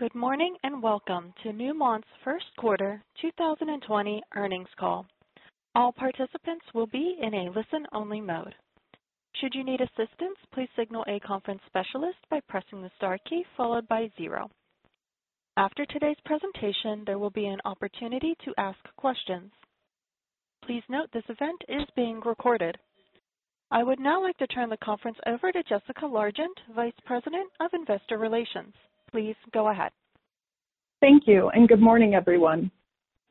Good morning and welcome to Newmont's first quarter 2020 earnings call. All participants will be in a listen only mode. Should you need assistance, please signal a conference specialist by pressing the star key followed by zero. After today's presentation, there will be an opportunity to ask questions. Please note this event is being recorded. I would now like to turn the conference over to Jessica Largent, Vice President of Investor Relations. Please go ahead. Thank you. Good morning, everyone.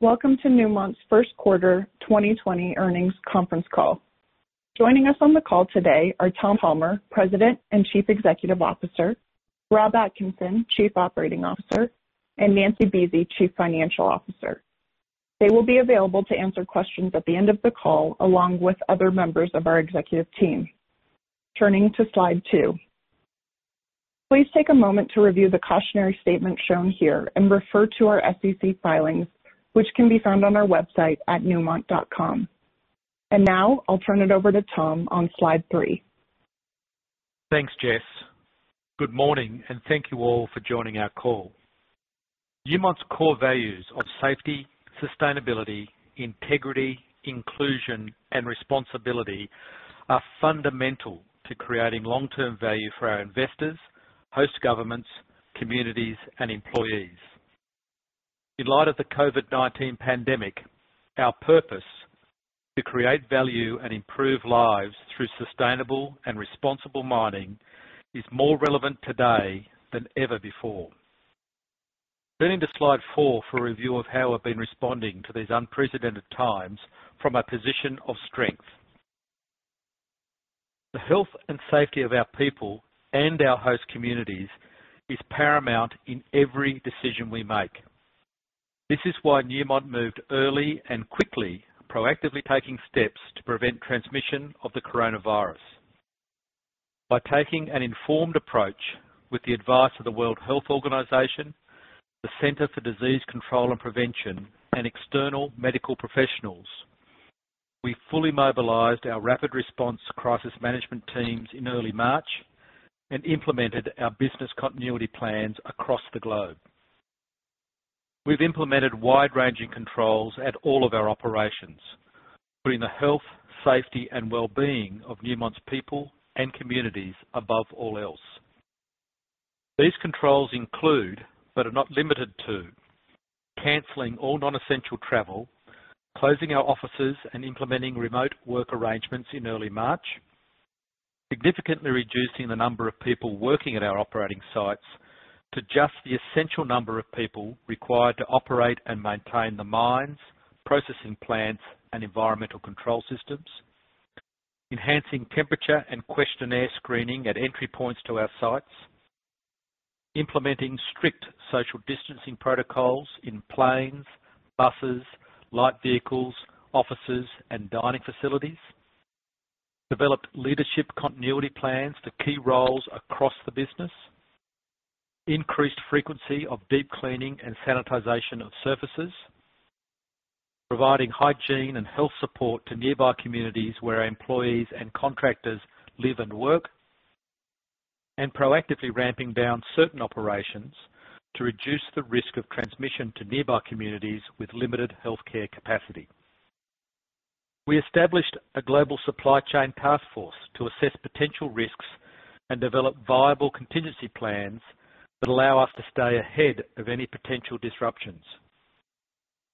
Welcome to Newmont's first quarter 2020 earnings conference call. Joining us on the call today are Tom Palmer, President and Chief Executive Officer, Rob Atkinson, Chief Operating Officer, and Nancy Buese, Chief Financial Officer. They will be available to answer questions at the end of the call, along with other members of our executive team. Turning to slide two. Please take a moment to review the cautionary statement shown here and refer to our SEC filings, which can be found on our website at newmont.com. Now I'll turn it over to Tom on slide three. Thanks, Jess. Good morning, and thank you all for joining our call. Newmont's core values of safety, sustainability, integrity, inclusion, and responsibility are fundamental to creating long-term value for our investors, host governments, communities, and employees. In light of the COVID-19 pandemic, our purpose, to create value and improve lives through sustainable and responsible mining, is more relevant today than ever before. Turning to slide four for a review of how we've been responding to these unprecedented times from a position of strength. The health and safety of our people and our host communities is paramount in every decision we make. This is why Newmont moved early and quickly, proactively taking steps to prevent transmission of the coronavirus. By taking an informed approach with the advice of the World Health Organization, the Centers for Disease Control and Prevention, and external medical professionals, we fully mobilized our rapid response crisis management teams in early March and implemented our business continuity plans across the globe. We've implemented wide-ranging controls at all of our operations, putting the health, safety and wellbeing of Newmont's people and communities above all else. These controls include, but are not limited to, canceling all non-essential travel, closing our offices and implementing remote work arrangements in early March, significantly reducing the number of people working at our operating sites to just the essential number of people required to operate and maintain the mines, processing plants and environmental control systems, enhancing temperature and questionnaire screening at entry points to our sites, implementing strict social distancing protocols in planes, buses, light vehicles, offices and dining facilities, developed leadership continuity plans for key roles across the business, increased frequency of deep cleaning and sanitization of surfaces, providing hygiene and health support to nearby communities where our employees and contractors live and work, and proactively ramping down certain operations to reduce the risk of transmission to nearby communities with limited healthcare capacity. We established a global supply chain task force to assess potential risks and develop viable contingency plans that allow us to stay ahead of any potential disruptions.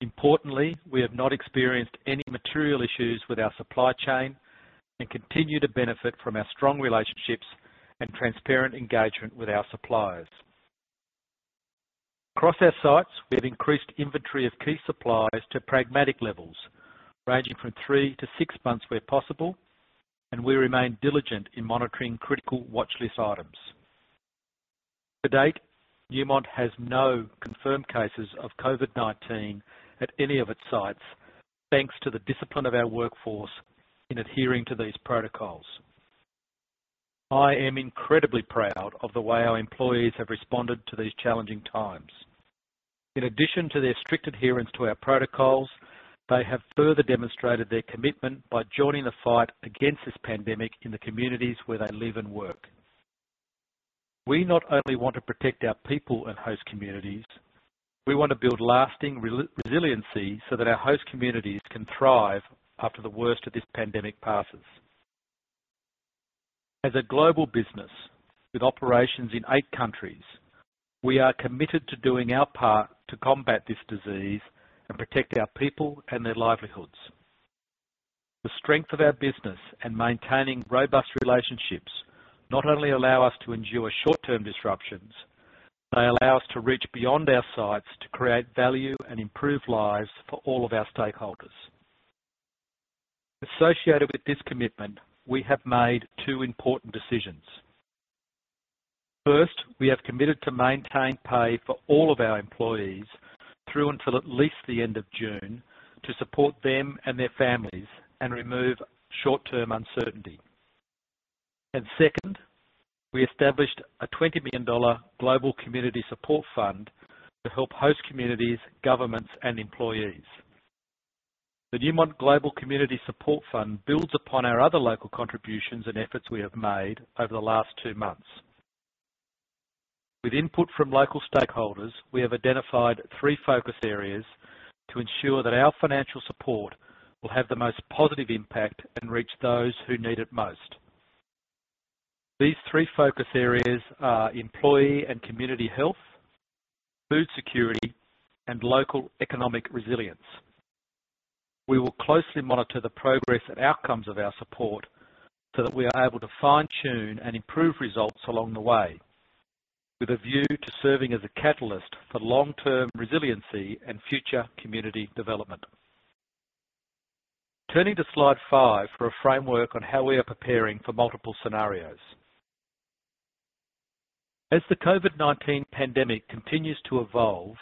Importantly, we have not experienced any material issues with our supply chain and continue to benefit from our strong relationships and transparent engagement with our suppliers. Across our sites, we have increased inventory of key supplies to pragmatic levels, ranging from three to six months where possible, and we remain diligent in monitoring critical watchlist items. To date, Newmont has no confirmed cases of COVID-19 at any of its sites, thanks to the discipline of our workforce in adhering to these protocols. I am incredibly proud of the way our employees have responded to these challenging times. In addition to their strict adherence to our protocols, they have further demonstrated their commitment by joining the fight against this pandemic in the communities where they live and work. We not only want to protect our people and host communities, we want to build lasting resiliency so that our host communities can thrive after the worst of this pandemic passes. As a global business with operations in eight countries, we are committed to doing our part to combat this disease and protect our people and their livelihoods. The strength of our business and maintaining robust relationships not only allows us to endure short-term disruptions, they allow us to reach beyond our sites to create value and improve lives for all of our stakeholders. Associated with this commitment, we have made two important decisions. First, we have committed to maintain pay for all of our employees through until at least the end of June to support them and their families and remove short-term uncertainty. Second, we established a $20 million Global Community Support Fund to help host communities, governments, and employees. The Newmont Global Community Support Fund builds upon our other local contributions and efforts we have made over the last two months. With input from local stakeholders, we have identified three focus areas to ensure that our financial support will have the most positive impact and reach those who need it most. These three focus areas are employee and community health, food security, and local economic resilience. We will closely monitor the progress and outcomes of our support so that we are able to fine-tune and improve results along the way, with a view to serving as a catalyst for long-term resiliency and future community development. Turning to slide five for a framework on how we are preparing for multiple scenarios. As the COVID-19 pandemic continues to evolve,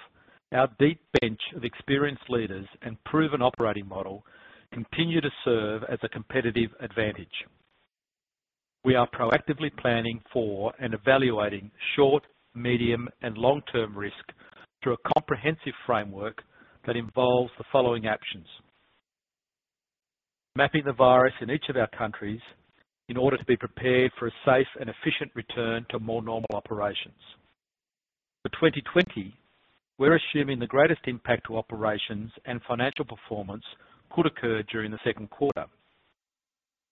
our deep bench of experienced leaders and proven operating model continues to serve as a competitive advantage. We are proactively planning for and evaluating short, medium, and long-term risk through a comprehensive framework that involves the following actions. Mapping the virus in each of our countries in order to be prepared for a safe and efficient return to more normal operations. For 2020, we're assuming the greatest impact to operations and financial performance could occur during the second quarter.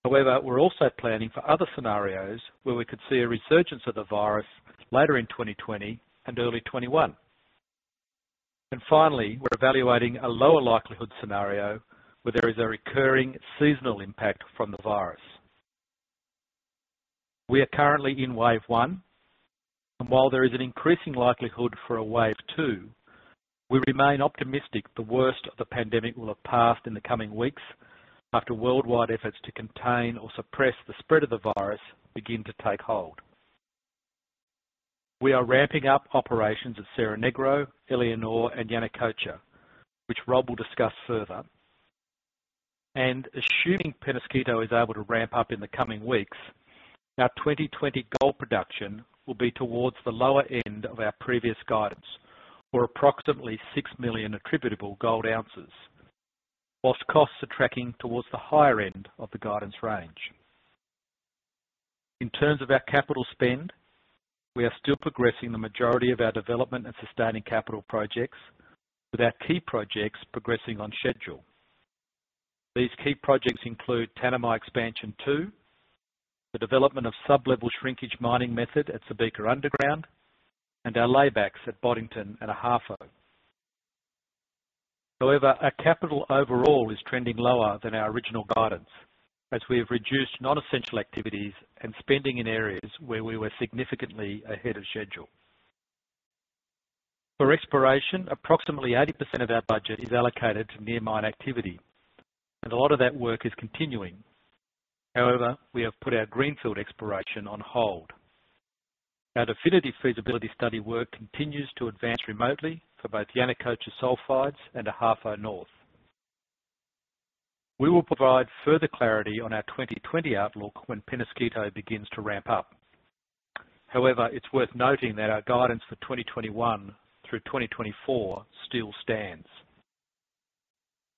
We're also planning for other scenarios where we could see a resurgence of the virus later in 2020 and early 2021. Finally, we're evaluating a lower likelihood scenario where there is a recurring seasonal impact from the virus. We are currently in Wave 1, and while there is an increasing likelihood for a Wave 2, we remain optimistic the worst of the pandemic will have passed in the coming weeks after worldwide efforts to contain or suppress the spread of the virus begin to take hold. We are ramping up operations at Cerro Negro, Éléonore, and Yanacocha, which Rob will discuss further. Assuming Peñasquito is able to ramp up in the coming weeks, our 2020 gold production will be towards the lower end of our previous guidance or approximately 6 million attributable gold ounces, whilst costs are tracking towards the higher end of the guidance range. In terms of our capital spend, we are still progressing the majority of our development and sustaining capital projects, with our key projects progressing on schedule. These key projects include Tanami Expansion 2, the development of sub-level shrinkage mining method at Subika Underground, and our laybacks at Boddington and Ahafo. Our capital overall is trending lower than our original guidance, as we have reduced non-essential activities and spending in areas where we were significantly ahead of schedule. For exploration, approximately 80% of our budget is allocated to near mine activity, and a lot of that work is continuing. We have put our greenfield exploration on hold. Our definitive feasibility study work continues to advance remotely for both Yanacocha Sulfides and Ahafo North. We will provide further clarity on our 2020 outlook when Peñasquito begins to ramp up. However, it's worth noting that our guidance for 2021 through 2024 still stands.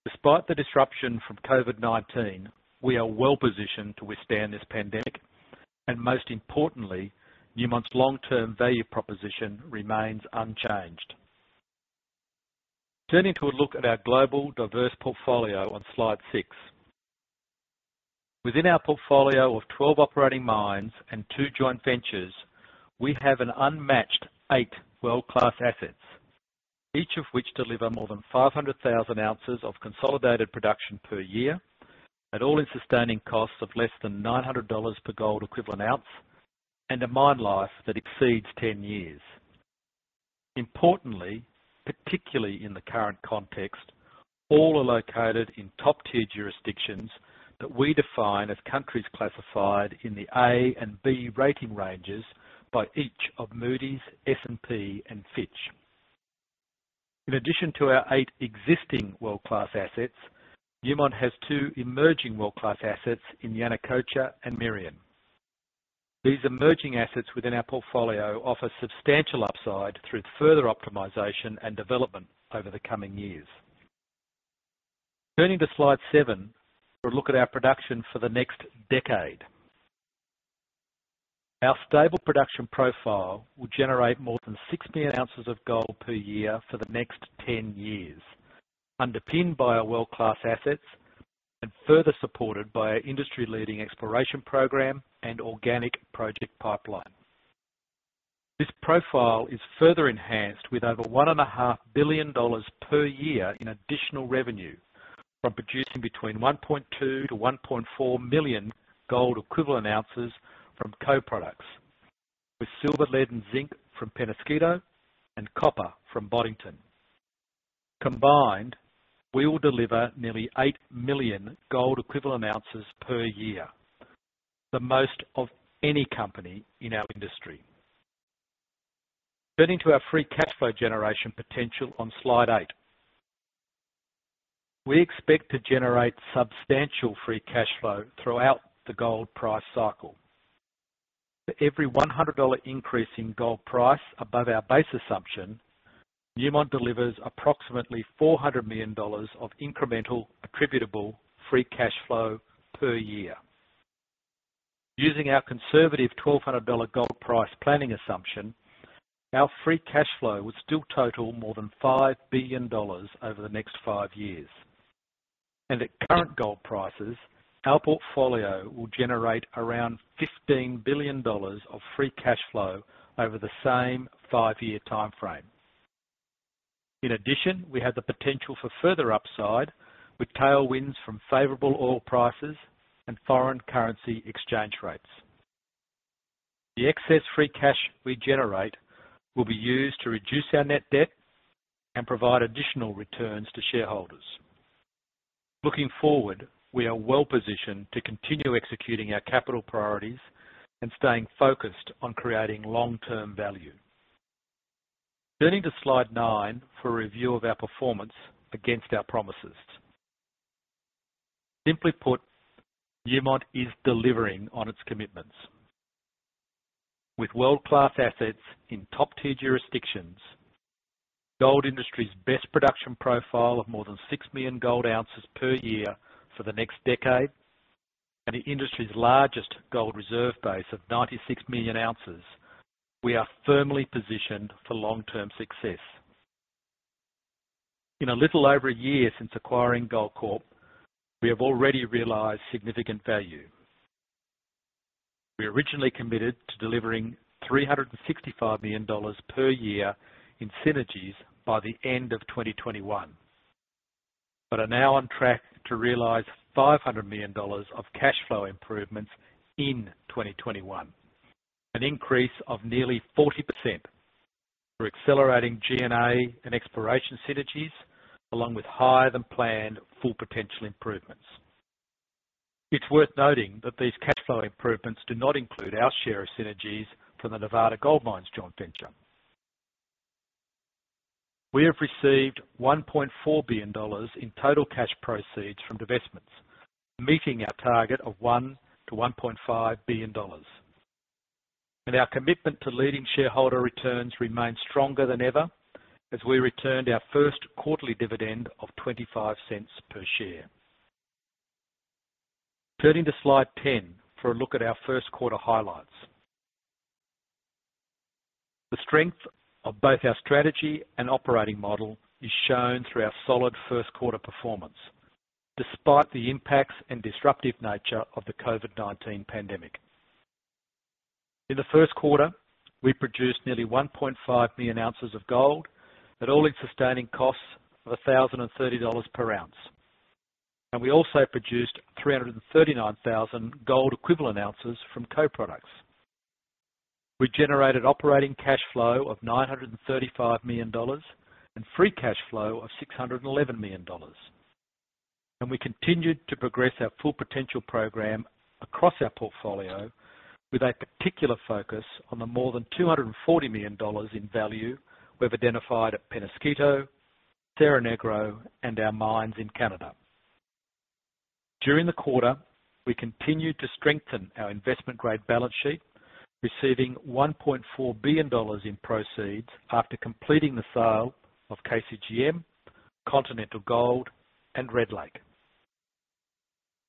Despite the disruption from COVID-19, we are well-positioned to withstand this pandemic, and most importantly, Newmont's long-term value proposition remains unchanged. Turning to a look at our global diverse portfolio on slide six. Within our portfolio of 12 operating mines and two joint ventures, we have an unmatched eight world-class assets, each of which delivers more than 500,000 oz of consolidated production per year at all-in sustaining costs of less than $900 per gold equivalent ounce and a mine life that exceeds 10 years. Importantly, particularly in the current context, all are located in top-tier jurisdictions that we define as countries classified in the A and B rating ranges by each of Moody's, S&P, and Fitch. In addition to our eight existing world-class assets, Newmont has two emerging world-class assets in Yanacocha and Merian. These emerging assets within our portfolio offer substantial upside through further optimization and development over the coming years. Turning to slide seven for a look at our production for the next decade. Our stable production profile would generate more than 6 million-7 million ounces of gold per year for the next 10 years, underpinned by our world-class assets and further supported by our industry-leading exploration program and organic project pipeline. This profile is further enhanced with over $1.5 billion per year in additional revenue from producing between 1.2 million-1.4 million gold equivalent ounces from co-products with silver, lead, and zinc from Peñasquito and copper from Boddington. Combined, we will deliver nearly 8 million gold equivalent ounces per year, the most of any company in our industry. Turning to our free cash flow generation potential on slide eight. We expect to generate substantial free cash flow throughout the gold price cycle. For every $100 increase in gold price above our base assumption, Newmont delivers approximately $400 million of incremental attributable free cash flow per year. Using our conservative $1,200 gold price planning assumption, our free cash flow would still total more than $5 billion over the next five years. At current gold prices, our portfolio will generate around $15 billion of free cash flow over the same five-year timeframe. In addition, we have the potential for further upside with tailwinds from favorable oil prices and foreign currency exchange rates. The excess free cash we generate will be used to reduce our net debt and provide additional returns to shareholders. Looking forward, we are well-positioned to continue executing our capital priorities and staying focused on creating long-term value. Turning to slide nine for a review of our performance against our promises. Simply put, Newmont is delivering on its commitments. With world-class assets in top-tier jurisdictions, gold industry's best production profile of more than 6 million gold ounces per year for the next decade, and the industry's largest gold reserve base of 96 million ounces, we are firmly positioned for long-term success. In a little over a year since acquiring Goldcorp, we have already realized significant value. We originally committed to delivering $365 million per year in synergies by the end of 2021, are now on track to realize $500 million of cash flow improvements in 2021, an increase of nearly 40% for accelerating G&A and exploration synergies, along with higher-than-planned Full Potential improvements. It's worth noting that these cash flow improvements do not include our share of synergies from the Nevada Gold Mines joint venture. We have received $1.4 billion in total cash proceeds from divestments, meeting our target of $1 billion-$1.5 billion. Our commitment to leading shareholder returns remains stronger than ever as we returned our first quarterly dividend of $0.25 per share. Turning to slide 10 for a look at our first quarter highlights. The strength of both our strategy and operating model is shown through our solid first quarter performance, despite the impacts and disruptive nature of the COVID-19 pandemic. In the first quarter, we produced nearly 1.5 million ounces of gold at all-in sustaining costs of $1,030/oz, and we also produced 339,000 gold equivalent ounces from co-products. We generated operating cash flow of $935 million and free cash flow of $611 million. We continued to progress our Full Potential program across our portfolio with a particular focus on the more than $240 million in value we've identified at Peñasquito, Cerro Negro, and our mines in Canada. During the quarter, we continued to strengthen our investment-grade balance sheet, receiving $1.4 billion in proceeds after completing the sale of KCGM, Continental Gold, and Red Lake.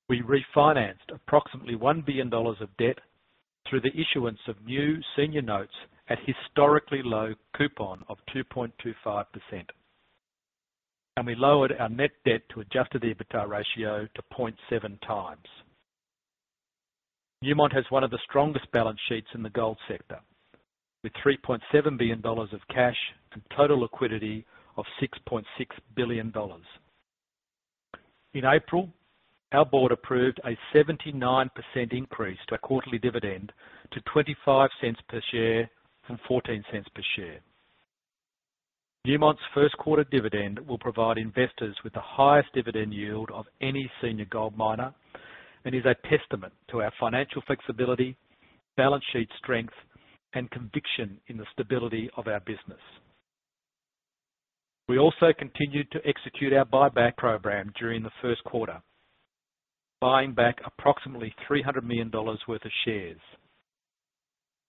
We refinanced approximately $1 billion of debt through the issuance of new senior notes at historically low coupon of 2.25%. We lowered our net debt to adjusted EBITDA ratio to 0.7x. Newmont has one of the strongest balance sheets in the gold sector, with $3.7 billion of cash and total liquidity of $6.6 billion. In April, our board approved a 79% increase to our quarterly dividend to $0.25 per share from $0.14 per share. Newmont's first quarter dividend will provide investors with the highest dividend yield of any senior gold miner, and is a testament to our financial flexibility, balance sheet strength, and conviction in the stability of our business. We also continued to execute our buyback program during the first quarter, buying back approximately $300 million worth of shares.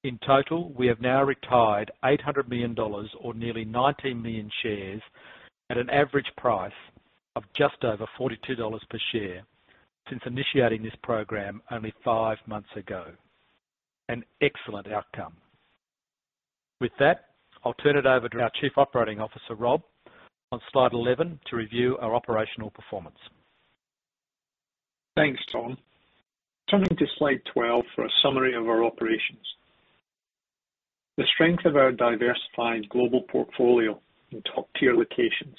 In total, we have now retired $800 million or nearly 19 million shares at an average price of just over $42 per share since initiating this program only five months ago. An excellent outcome. With that, I'll turn it over to our Chief Operating Officer, Rob, on slide 11 to review our operational performance. Thanks, Tom. Turning to slide 12 for a summary of our operations. The strength of our diversified global portfolio in top-tier locations,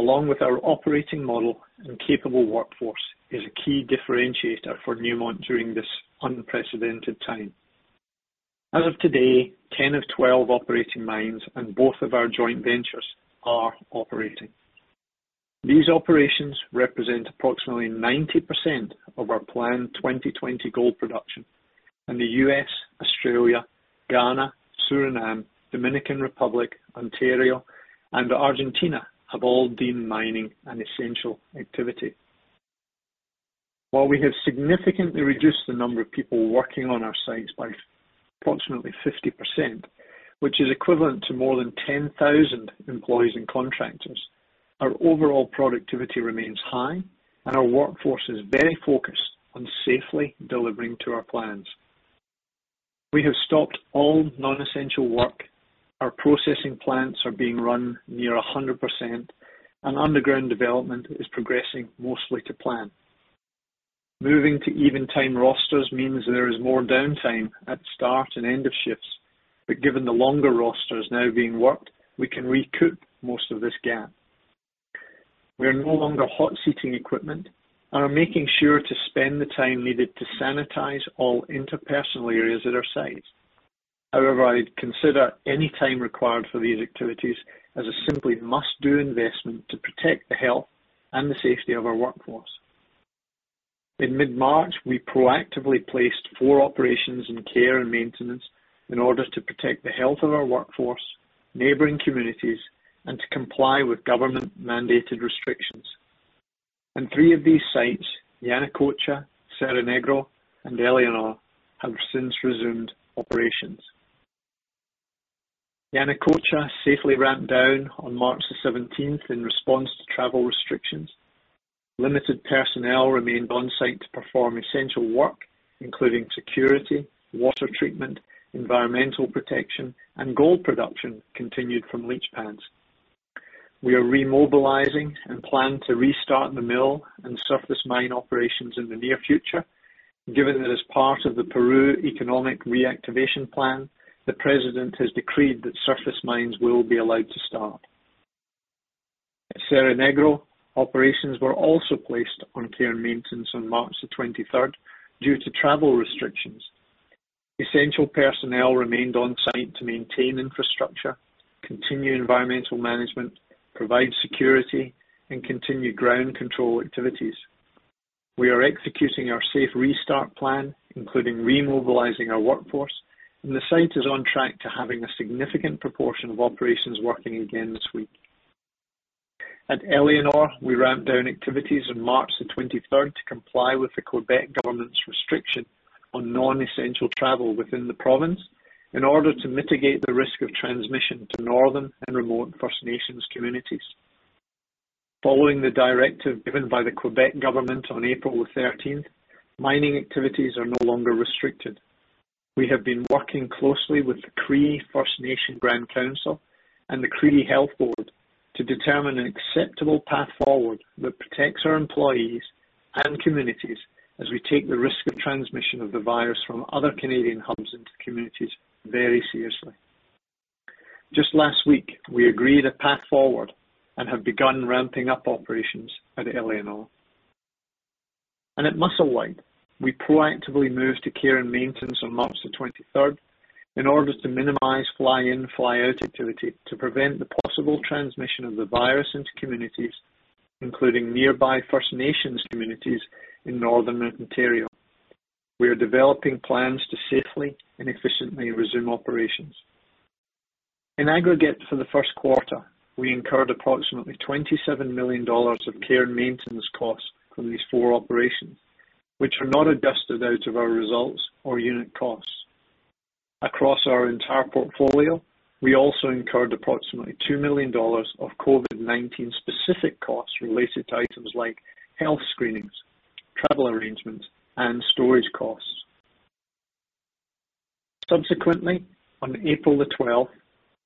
along with our operating model and capable workforce, is a key differentiator for Newmont during this unprecedented time. As of today, 10 of 12 operating mines and both of our joint ventures are operating. These operations represent approximately 90% of our planned 2020 gold production in the U.S., Australia, Ghana, Suriname, Dominican Republic, Ontario, and Argentina have all deemed mining an essential activity. While we have significantly reduced the number of people working on our sites by approximately 50%, which is equivalent to more than 10,000 employees and contractors, our overall productivity remains high, and our workforce is very focused on safely delivering to our plans. We have stopped all non-essential work. Our processing plants are being run near 100%, and underground development is progressing mostly to plan. Moving to even time rosters means there is more downtime at start and end of shifts, but given the longer rosters now being worked, we can recoup most of this gap. We are no longer hot-seating equipment and are making sure to spend the time needed to sanitize all interpersonal areas at our sites. However, I'd consider any time required for these activities as a simply must-do investment to protect the health and the safety of our workforce. In mid-March, we proactively placed four operations in care and maintenance in order to protect the health of our workforce, neighboring communities, and to comply with government-mandated restrictions. Three of these sites, Yanacocha, Cerro Negro, and Éléonore, have since resumed operations. Yanacocha safely ramped down on March, the 17th in response to travel restrictions. Limited personnel remained on-site to perform essential work, including security, water treatment, environmental protection, and gold production continued from leach pads. We are remobilizing and plan to restart the mill and surface mine operations in the near future. Given that, as part of the Peru Economic reactivation plan, the President has decreed that surface mines will be allowed to start. At Cerro Negro, operations were also placed on care and maintenance on March, the 23rd due to travel restrictions. Essential personnel remained on-site to maintain infrastructure, continue environmental management, provide security, and continue ground control activities. We are executing our safe restart plan, including remobilizing our workforce, and the site is on track to having a significant proportion of operations working again this week. At Éléonore, we ramped down activities on March 23rd to comply with the Quebec government's restriction on non-essential travel within the province in order to mitigate the risk of transmission to northern and remote First Nations communities. Following the directive given by the Quebec government on April 13th, mining activities are no longer restricted. We have been working closely with the Cree, the First Nations Grand Council, and the Cree Health Board to determine an acceptable path forward that protects our employees and communities as we take the risk of transmission of the virus from other Canadian hubs into communities very seriously. Just last week, we agreed a path forward and have begun ramping up operations at Éléonore. At Musselwhite, we proactively moved to care and maintenance on March 23rd in order to minimize fly-in, fly-out activity to prevent the possible transmission of the virus into communities, including nearby First Nations communities in Northern Ontario. We are developing plans to safely and efficiently resume operations. In aggregate for the first quarter, we incurred approximately $27 million of care and maintenance costs from these four operations, which are not adjusted out of our results or unit costs. Across our entire portfolio, we also incurred approximately $2 million of COVID-19-specific costs related to items like health screenings, travel arrangements, and storage costs. Subsequently, on April, the 12th,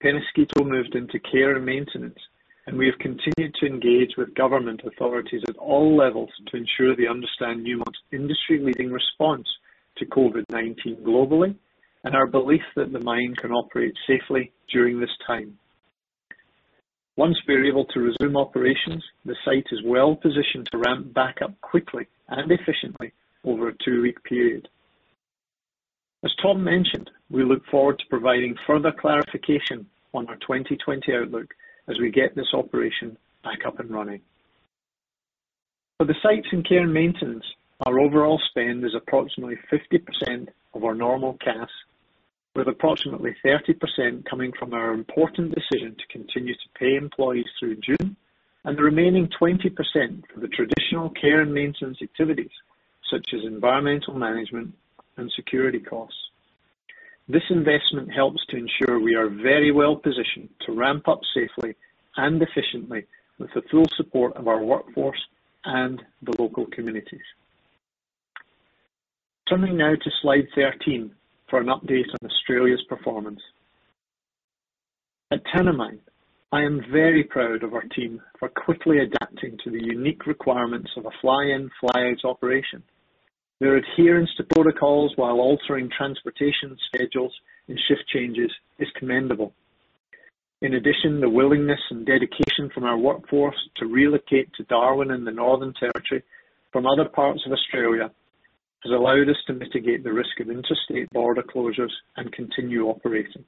Peñasquito moved into care and maintenance, and we have continued to engage with government authorities at all levels to ensure they understand Newmont's industry-leading response to COVID-19 globally and our belief that the mine can operate safely during this time. Once we are able to resume operations, the site is well positioned to ramp back up quickly and efficiently over a two-week period. As Tom mentioned, we look forward to providing further clarification on our 2020 outlook as we get this operation back up and running. For the sites in care and maintenance, our overall spend is approximately 50% of our normal cash, with approximately 30% coming from our important decision to continue to pay employees through June, and the remaining 20% for the traditional care and maintenance activities, such as environmental management and security costs. This investment helps to ensure we are very well positioned to ramp up safely and efficiently with the full support of our workforce and the local communities. Turning now to slide 13 for an update on Australia's performance. At Tanami, I am very proud of our team for quickly adapting to the unique requirements of a fly-in, fly-out operation. Their adherence to protocols while altering transportation schedules and shift changes is commendable. In addition, the willingness and dedication from our workforce to relocate to Darwin in the Northern Territory from other parts of Australia has allowed us to mitigate the risk of interstate border closures and continue operating.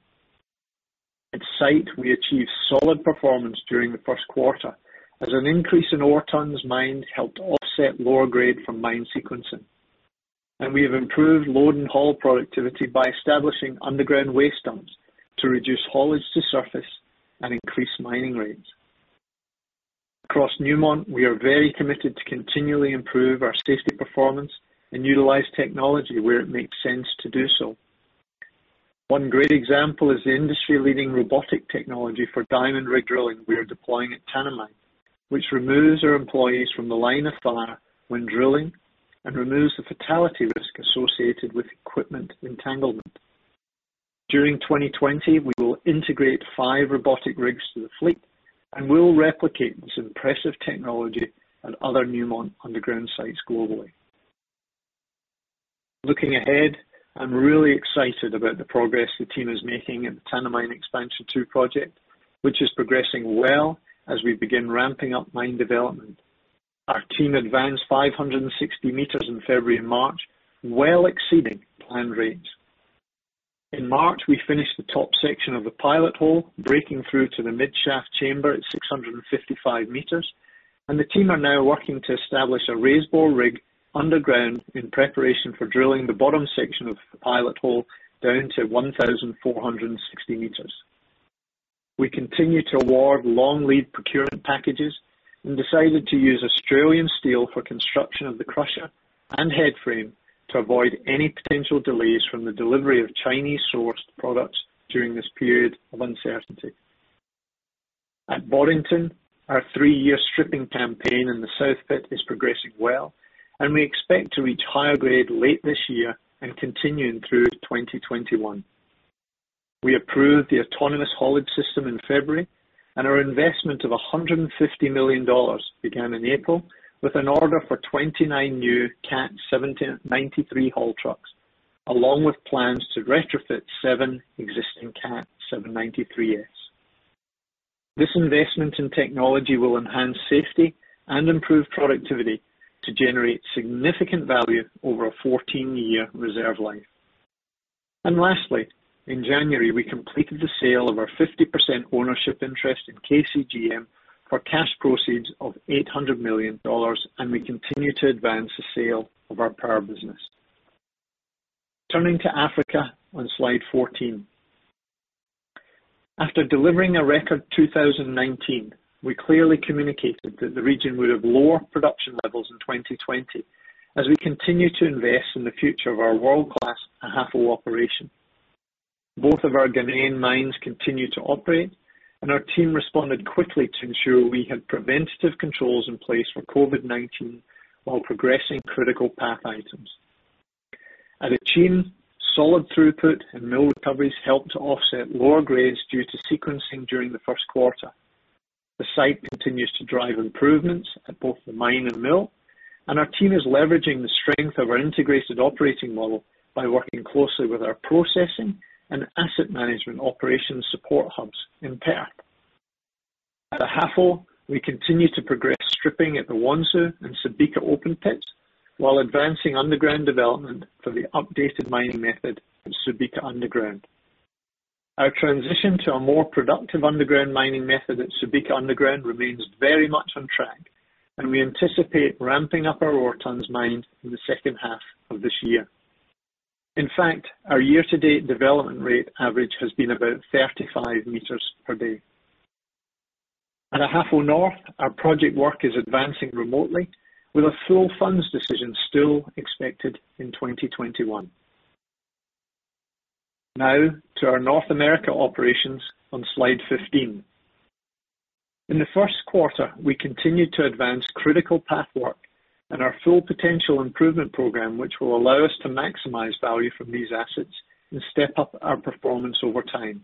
At site, we achieved solid performance during the first quarter as an increase in ore tons mined helped offset lower grade from mine sequencing. We have improved load and haul productivity by establishing underground waste dumps to reduce haulage to surface and increase mining rates. Across Newmont, we are very committed to continually improve our safety performance and utilize technology where it makes sense to do so. One great example is the industry-leading robotic technology for diamond rig drilling we are deploying at Tanami, which removes our employees from the line of fire when drilling and removes the fatality risk associated with equipment entanglement. During 2020, we will integrate five robotic rigs to the fleet and will replicate this impressive technology at other Newmont underground sites globally. Looking ahead, I'm really excited about the progress the team is making at the Tanami Expansion 2 project, which is progressing well as we begin ramping up mine development. Our team advanced 560 m in February and March, well exceeding planned rates. In March, we finished the top section of the pilot hole, breaking through to the mid-shaft chamber at 655 m, and the team are now working to establish a raise-bore rig underground in preparation for drilling the bottom section of the pilot hole down to 1,460 m. We continue to award long lead procurement packages and decided to use Australian steel for construction of the crusher and headframe to avoid any potential delays from the delivery of Chinese-sourced products during this period of uncertainty. At Boddington, our three-year stripping campaign in the South pit is progressing well, and we expect to reach higher grade late this year and continuing through 2021. We approved the Autonomous Haulage System in February, and our investment of $150 million began in April with an order for 29 new Cat 793F haul trucks, along with plans to retrofit seven existing Cat 793 XE. This investment in technology will enhance safety and improve productivity to generate significant value over a 14-year reserve life. Lastly, in January, we completed the sale of our 50% ownership interest in KCGM for cash proceeds of $800 million, and we continue to advance the sale of our power business. Turning to Africa on slide 14. After delivering a record 2019, we clearly communicated that the region would have lower production levels in 2020 as we continue to invest in the future of our world-class Ahafo operation. Both of our Ghanaian mines continue to operate, and our team responded quickly to ensure we had preventative controls in place for COVID-19 while progressing critical path items. At Akyem, solid throughput and mill recoveries helped to offset lower grades due to sequencing during the first quarter. The site continues to drive improvements at both the mine and mill, and our team is leveraging the strength of our integrated operating model by working closely with our processing and asset management operations support hubs in Perth. At Ahafo, we continue to progress stripping at the Awonsu and Subika open pits while advancing underground development for the updated mining method at Subika Underground. Our transition to a more productive underground mining method at Subika Underground remains very much on track, and we anticipate ramping up our ore tons mined in the second half of this year. In fact, our year-to-date development rate average has been about 35 m/day. At Ahafo North, our project work is advancing remotely with a full funds decision still expected in 2021. Now, to our North America operations on slide 15. In the first quarter, we continued to advance critical path work and our Full Potential improvement program, which will allow us to maximize value from these assets and step up our performance over time.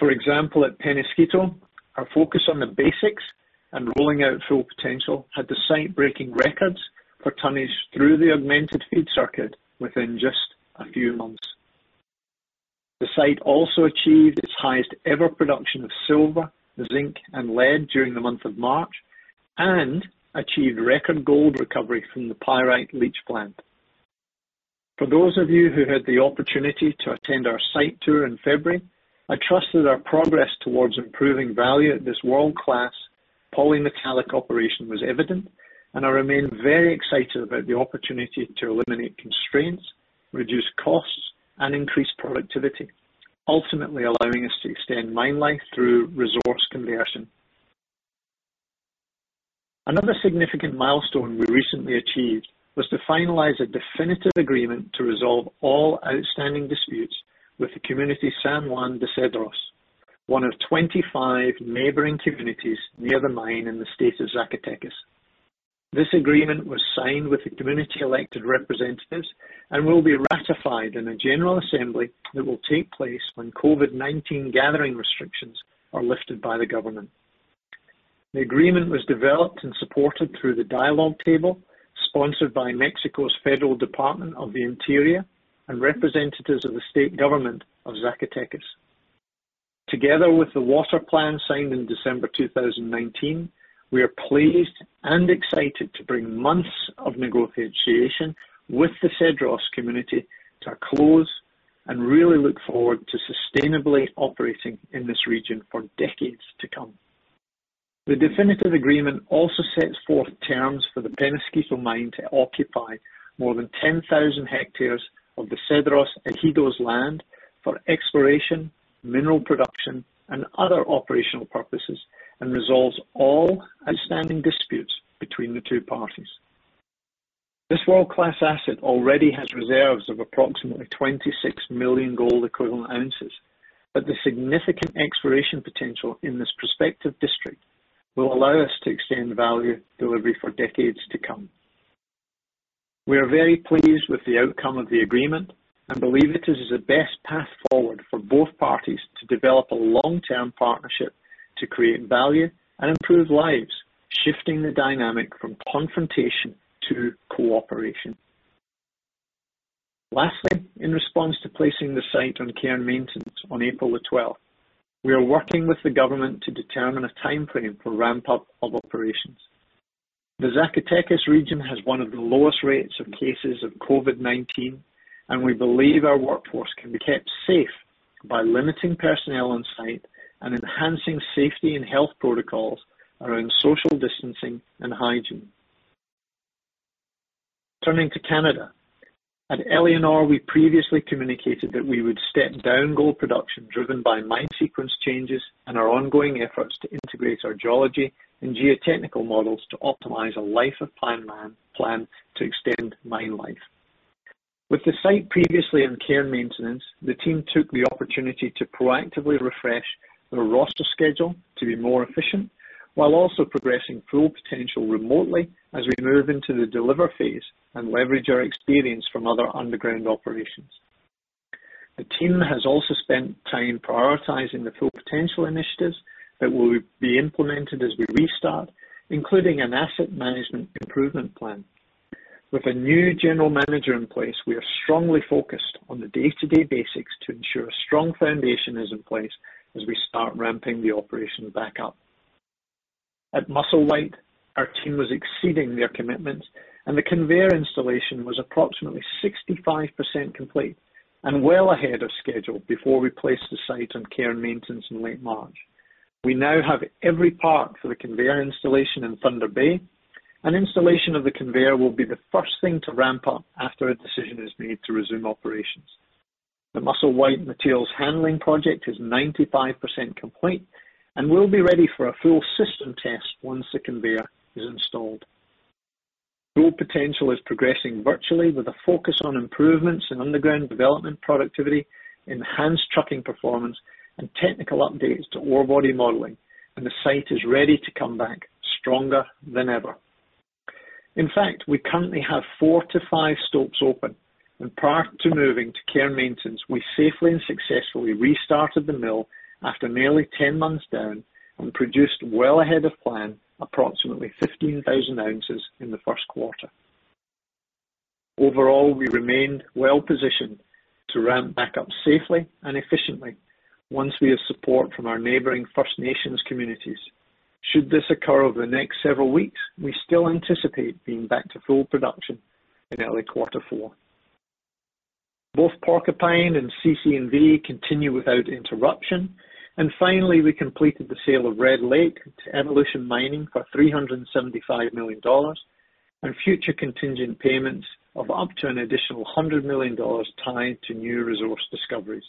For example, at Peñasquito, our focus on the basics and rolling out Full Potential had the site breaking records for tonnage through the Augmented Feed Circuit within just a few months. The site also achieved its highest-ever production of silver, zinc, and lead during the month of March, and achieved record gold recovery from the Pyrite Leach Plant. For those of you who had the opportunity to attend our site tour in February, I trusted our progress towards improving value at this world-class polymetallic operation was evident, and I remain very excited about the opportunity to eliminate constraints, reduce costs, and increase productivity, ultimately allowing us to extend mine life through resource conversion. Another significant milestone we recently achieved was to finalize a definitive agreement to resolve all outstanding disputes with the community, San Juan de Cedros, one of 25 neighboring communities near the mine in the state of Zacatecas. This agreement was signed with the community elected representatives and will be ratified in a general assembly that will take place when COVID-19 gathering restrictions are lifted by the government. The agreement was developed and supported through the dialogue table, sponsored by Mexico's Federal Department of the Interior and representatives of the state government of Zacatecas. Together with the water plan signed in December 2019, we are pleased and excited to bring months of negotiation with the Cedros community to a close and really look forward to sustainably operating in this region for decades to come. The definitive agreement also sets forth terms for the Peñasquito Mine to occupy more than 10,000 hectares of the Cedros ejido's land for exploration, mineral production, and other operational purposes, and resolves all outstanding disputes between the two parties. This world-class asset already has reserves of approximately 26 million gold equivalent ounces, but the significant exploration potential in this prospective district will allow us to extend value delivery for decades to come. We are very pleased with the outcome of the agreement and believe it is the best path forward for both parties to develop a long-term partnership to create value and improve lives, shifting the dynamic from confrontation to cooperation. Lastly, in response to placing the site on care and maintenance on April, the 12th, we are working with the government to determine a timeframe for ramp up of operations. The Zacatecas region has one of the lowest rates of cases of COVID-19. We believe our workforce can be kept safe by limiting personnel on site and enhancing safety and health protocols around social distancing and hygiene. Turning to Canada. At Éléonore, we previously communicated that we would step down gold production driven by mine sequence changes and our ongoing efforts to integrate our GEOlogy and GEOtechnical models to optimize a life-of-plan mine plan to extend mine life. With the site previously on care and maintenance, the team took the opportunity to proactively refresh their roster schedule to be more efficient, while also progressing Full Potential remotely as we move into the deliver phase and leverage our experience from other underground operations. The team has also spent time prioritizing the Full Potential initiatives that will be implemented as we restart, including an Asset Management improvement plan. With a new general manager in place, we are strongly focused on the day-to-day basics to ensure a strong foundation is in place as we start ramping the operations back up. At Musselwhite, our team was exceeding their commitments, and the conveyor installation was approximately 65% complete and well ahead of schedule before we placed the site on care and maintenance in late March. We now have every part for the conveyor installation in Thunder Bay, and installation of the conveyor will be the first thing to ramp up after a decision is made to resume operations. The Musselwhite Materials Handling project is 95% complete and will be ready for a full system test once the conveyor is installed. Full Potential is progressing virtually with a focus on improvements in underground development productivity, enhanced trucking performance, and technical updates to ore body modeling, and the site is ready to come back stronger than ever. In fact, we currently have four to five stopes open, and prior to moving to care and maintenance, we safely and successfully restarted the mill after nearly 10 months down and produced well ahead of plan, approximately 15,000 oz in the first quarter. Overall, we remained well-positioned to ramp back up safely and efficiently once we have support from our neighboring First Nations communities. Should this occur over the next several weeks, we still anticipate being back to full production in early quarter four. Both Porcupine and CC&V continue without interruption. Finally, we completed the sale of Red Lake to Evolution Mining for $375 million, and future contingent payments of up to an additional $100 million tied to new resource discoveries.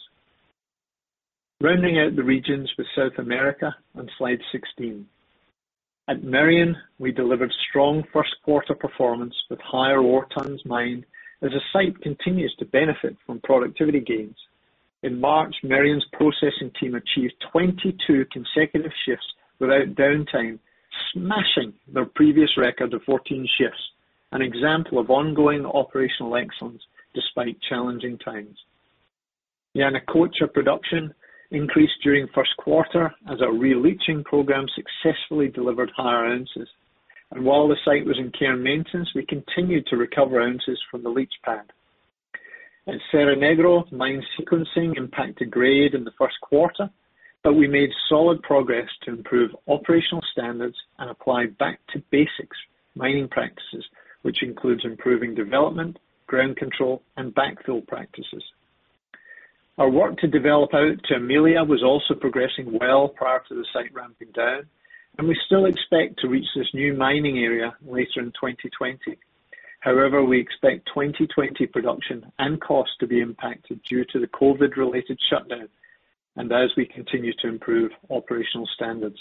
Rounding out the regions with South America on slide 16. At Merian, we delivered strong first quarter performance with higher ore tons mined as the site continues to benefit from productivity gains. In March, Merian's processing team achieved 22 consecutive shifts without downtime, smashing their previous record of 14 shifts, an example of ongoing operational excellence despite challenging times. Yanacocha production increased during first quarter as our re-leaching program successfully delivered higher ounces. While the site was in care and maintenance, we continued to recover ounces from the leach pad. At Cerro Negro, mine sequencing impacted grade in the first quarter, but we made solid progress to improve operational standards and apply back-to-basics mining practices, which includes improving development, ground control, and backfill practices. Our work to develop out to Amelia was also progressing well prior to the site ramping down, and we still expect to reach this new mining area later in 2020. However, we expect 2020 production and cost to be impacted due to the COVID-related shutdown and as we continue to improve operational standards.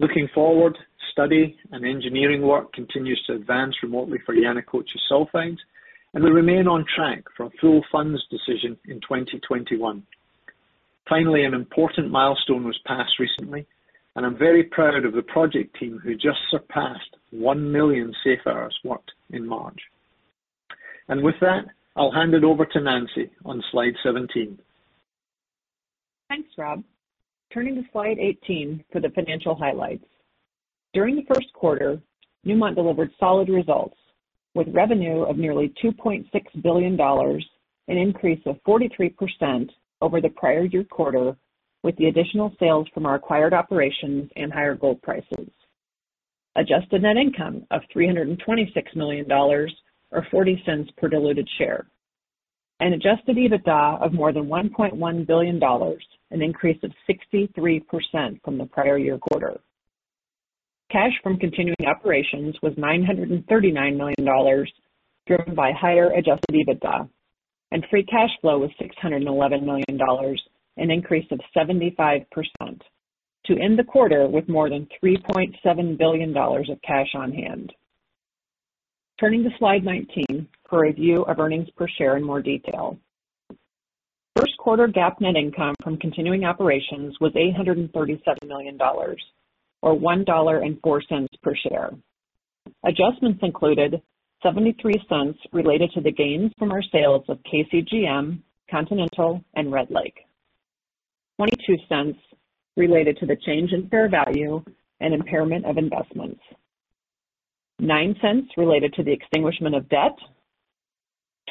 Looking forward, study and engineering work continues to advance remotely for Yanacocha Sulfides, and we remain on track for a full funds decision in 2021. Finally, an important milestone was passed recently, and I'm very proud of the project team, who just surpassed 1 million safe hours worked in March. With that, I'll hand it over to Nancy on slide 17. Thanks, Rob. Turning to slide 18 for the financial highlights. During the first quarter, Newmont delivered solid results with revenue of nearly $2.6 billion, an increase of 43% over the prior year quarter, with the additional sales from our acquired operations and higher gold prices. Adjusted net income of $326 million or $0.40 per diluted share. Adjusted EBITDA of more than $1.1 billion, an increase of 63% from the prior year quarter. Cash from continuing operations was $939 million, driven by higher adjusted EBITDA, and free cash flow was $611 million, an increase of 75%, to end the quarter with more than $3.7 billion of cash on hand. Turning to slide 19 for a view of earnings per share in more detail. First quarter GAAP net income from continuing operations was $837 million, or $1.04 per share. Adjustments included $0.73 related to the gains from our sales of KCGM, Continental, and Red Lake. $0.22 related to the change in fair value and impairment of investments. $0.09 related to the extinguishment of debt,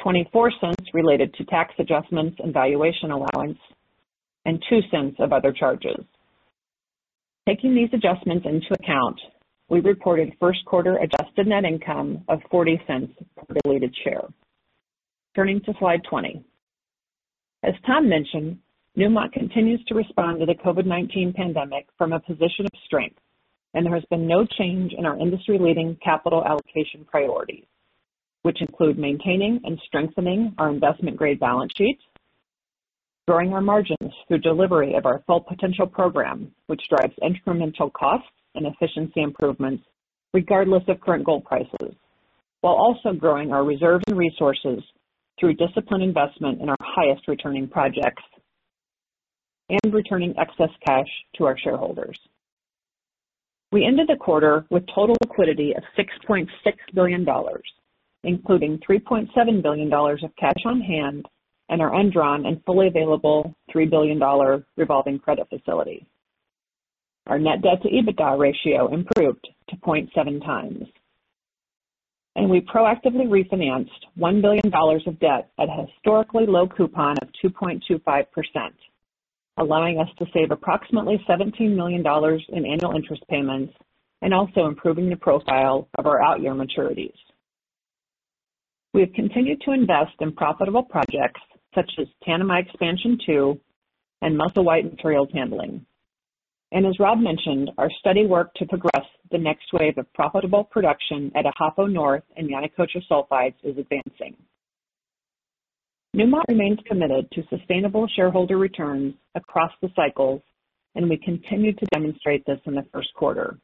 $0.24 related to tax adjustments and valuation allowance, and $0.02 of other charges. Taking these adjustments into account, we reported first quarter adjusted net income of $0.40 per diluted share. Turning to slide 20. As Tom mentioned, Newmont continues to respond to the COVID-19 pandemic from a position of strength, and there has been no change in our industry-leading capital allocation priorities, which include maintaining and strengthening our investment-grade balance sheets, growing our margins through delivery of our Full Potential program, which drives incremental costs and efficiency improvements regardless of current gold prices, while also growing our reserve and resources through disciplined investment in our highest returning projects, and returning excess cash to our shareholders. We ended the quarter with total liquidity of $6.6 billion, including $3.7 billion of cash on hand and our undrawn and fully available $3 billion revolving credit facility. Our net debt to EBITDA ratio improved to 0.7x. We proactively refinanced $1 billion of debt at a historically low coupon of 2.25%, allowing us to save approximately $17 million in annual interest payments and also improving the profile of our out-year maturities. We have continued to invest in profitable projects such as Tanami Expansion 2 and Musselwhite Materials Handling. As Rob mentioned, our study work to progress the next wave of profitable production at Ahafo North and Yanacocha Sulfides is advancing. Newmont remains committed to sustainable shareholder returns across the cycles, and we continue to demonstrate this in the first quarter.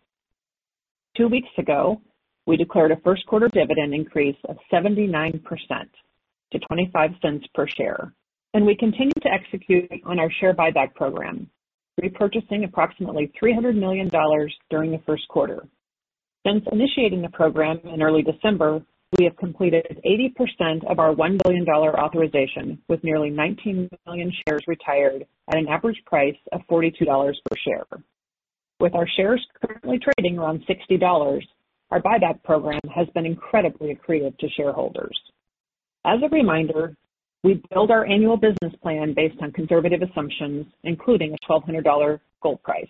Two weeks ago, we declared a first-quarter dividend increase of 79% to $0.25 per share. We continue to execute on our share buyback program, repurchasing approximately $300 million during the first quarter. Since initiating the program in early December, we have completed 80% of our $1 billion authorization, with nearly 19 million shares retired at an average price of $42 per share. With our shares currently trading around $60, our buyback program has been incredibly accretive to shareholders. As a reminder, we build our annual business plan based on conservative assumptions, including a $1,200 gold price.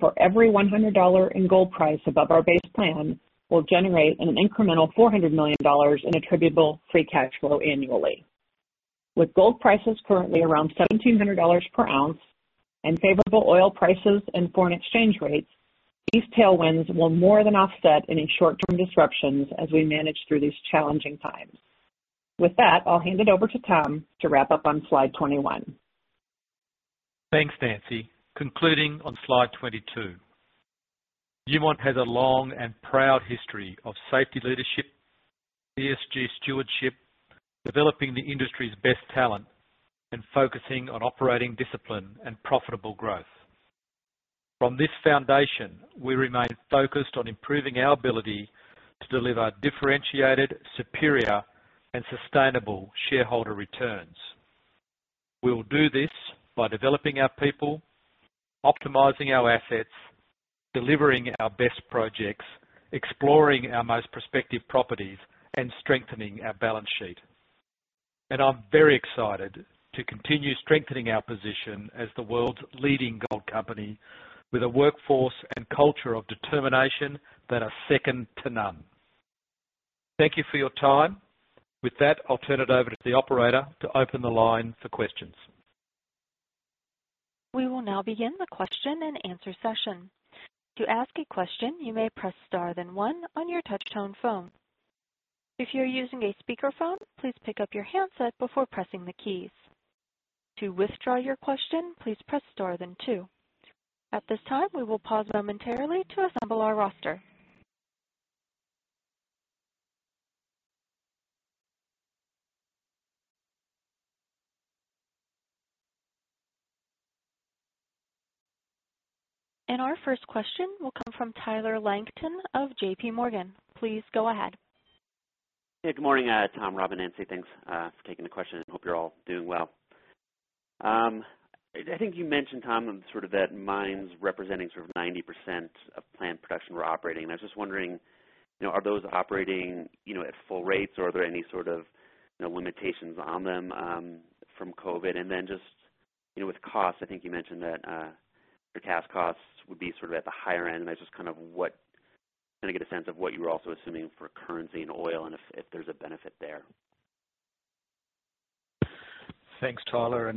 For every $100 in gold price above our base plan, we'll generate an incremental $400 million in attributable free cash flow annually. With gold prices currently around $1,700/oz and favorable oil prices and foreign exchange rates, these tailwinds will more than offset any short-term disruptions as we manage through these challenging times. With that, I will hand it over to Tom to wrap up on slide 21. Thanks, Nancy. Concluding on slide 22. Newmont has a long and proud history of safety leadership, ESG stewardship, developing the industry's best talent, and focusing on operating discipline and profitable growth. From this foundation, we remain focused on improving our ability to deliver differentiated, superior, and sustainable shareholder returns. We will do this by developing our people, optimizing our assets, delivering our best projects, exploring our most prospective properties, and strengthening our balance sheet. I'm very excited to continue strengthening our position as the world's leading gold company with a workforce and culture of determination that are second to none. Thank you for your time. With that, I'll turn it over to the operator to open the line for questions. We will now begin the question and answer session. To ask a question, you may press star then one on your touch-tone phone. If you're using a speakerphone, please pick up your handset before pressing the keys. To withdraw your question, please press star then two. At this time, we will pause momentarily to assemble our roster. Our first question will come from Tyler Langton of JPMorgan. Please go ahead. Hey, good morning, Tom, Rob, and Nancy. Thanks for taking the question. Hope you're all doing well. I think you mentioned, Tom, sort of that mines representing sort of 90% of planned production were operating. I was just wondering, are those operating at full rates, or are there any sort of limitations on them from COVID-19? With costs, I think you mentioned that your cash costs would be at the higher end. I just want to get a sense of what you were also assuming for currency and oil, and if there is a benefit there? Thanks, Tyler.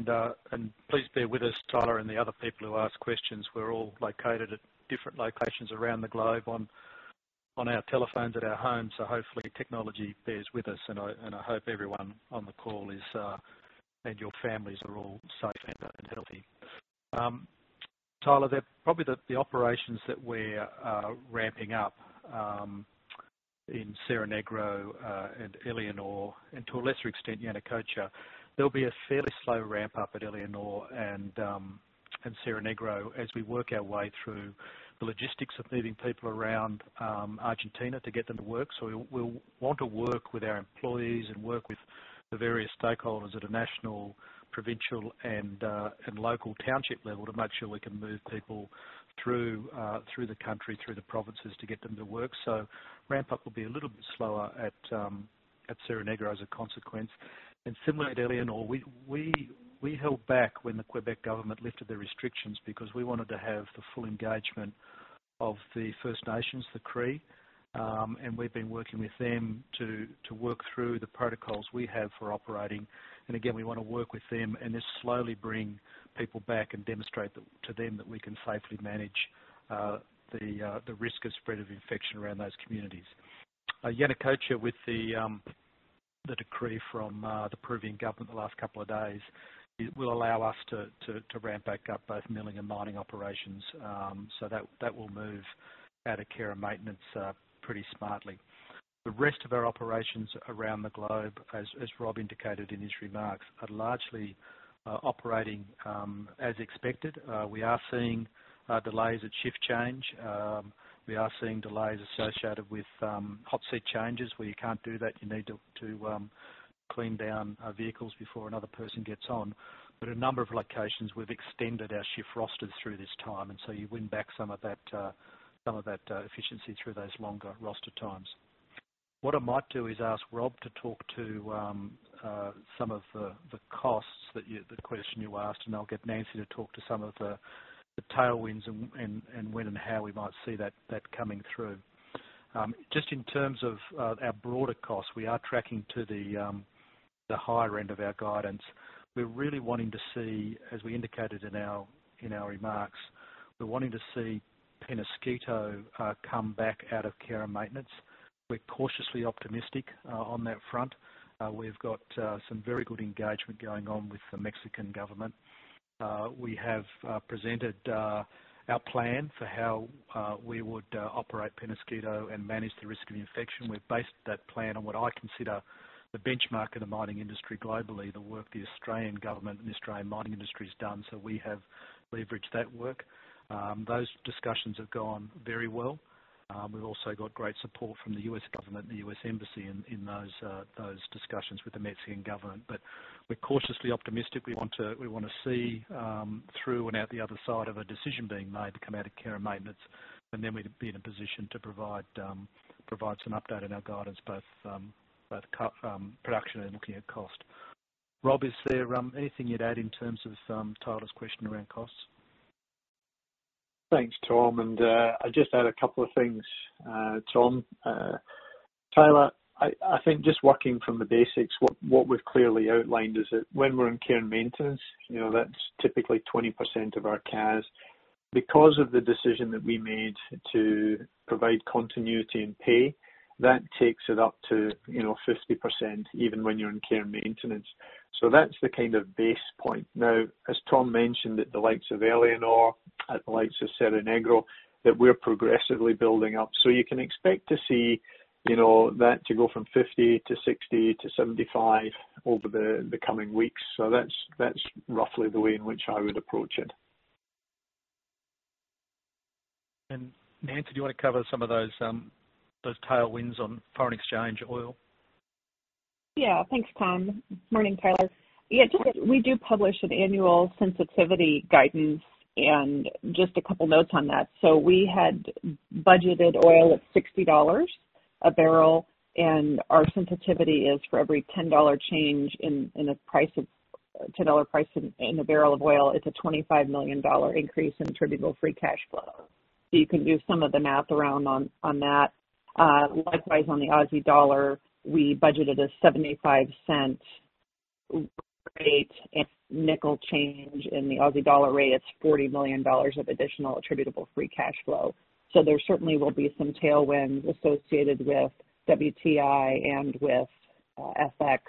Please bear with us, Tyler, and the other people who ask questions. We're all located at different locations around the globe on our telephones at our homes. Hopefully, technology bears with us, and I hope everyone on the call and your families are all safe and healthy. Tyler, probably the operations that we're ramping up in Cerro Negro and Éléonore, and to a lesser extent, Yanacocha. There'll be a fairly slow ramp-up at Éléonore and Cerro Negro as we work our way through the logistics of moving people around Argentina to get them to work. We'll want to work with our employees and work with the various stakeholders at a national, provincial, and local township level to make sure we can move people through the country, through the provinces to get them to work. Ramp-up will be a little bit slower at Cerro Negro as a consequence. Similarly, at Éléonore, we held back when the Quebec government lifted the restrictions because we wanted to have the full engagement of the First Nations, the Cree. We've been working with them to work through the protocols we have for operating. Again, we want to work with them and just slowly bring people back and demonstrate to them that we can safely manage the risk of spread of infection around those communities. Yanacocha, with the decree from the Peruvian government, the last couple of days, it will allow us to ramp back up both milling and mining operations. That will move out of care and maintenance pretty smartly. The rest of our operations around the globe, as Rob indicated in his remarks, are largely operating as expected. We are seeing delays at shift change. We are seeing delays associated with hot seat changes, where you can't do that; you need to clean down vehicles before another person gets on. A number of locations, we've extended our shift rosters through this time, you win back some of that efficiency through those longer roster times. What I might do is ask Rob to talk to some of the costs that the question you asked, and I'll get Nancy to talk to some of the tailwinds, and when and how we might see that coming through. Just in terms of our broader costs, we are tracking to the higher end of our guidance. We're really wanting to see, as we indicated in our remarks, we're wanting to see Peñasquito come back out of care and maintenance. We're cautiously optimistic on that front. We've got some very good engagement going on with the Mexican government. We have presented our plan for how we would operate Peñasquito and manage the risk of infection. We've based that plan on what I consider the benchmark of the mining industry globally, the work the Australian government and the Australian mining industry has done. We have leveraged that work. Those discussions have gone very well. We've also got great support from the U.S. government and the U.S. Embassy in those discussions with the Mexican government. We're cautiously optimistic. We want to see through and out the other side, a decision being made to come out of care and maintenance. Then, we'd be in a position to provide some updates in our guidance, both production and looking at cost. Rob, is there anything you'd add in terms of Tyler's question around costs? Thanks, Tom. I'll just add a couple of things, Tom. Tyler, I think just working from the basics, what we've clearly outlined is that when we're in care and maintenance, that's typically 20% of our CAS. Because of the decision that we made to provide continuity and pay, that takes it up to 50%, even when you're in care and maintenance. That's the base point. Now, as Tom mentioned, at the likes of Éléonore, at the likes of Cerro Negro, that we're progressively building up. You can expect to see that to go from 50% to 60% to 75% over the coming weeks. That's roughly the way in which I would approach it. Nancy, do you want to cover some of those tailwinds on foreign exchange oil? Thanks, Tom. Morning, Tyler. Just that we do publish an annual sensitivity guidance and just a couple notes on that. We had budgeted oil at $60/bbl, and our sensitivity is for every $10 change in a $10 price in a barrel of oil, it's a $25 million increase in attributable free cash flow. You can do some of the math around on that. Likewise, on the Aussie dollar, we budgeted an AUD/USD rate of 0.75, and every change in the Aussie dollar rate it's $40 million of additional attributable free cash flow. There certainly will be some tailwinds associated with WTI and with FX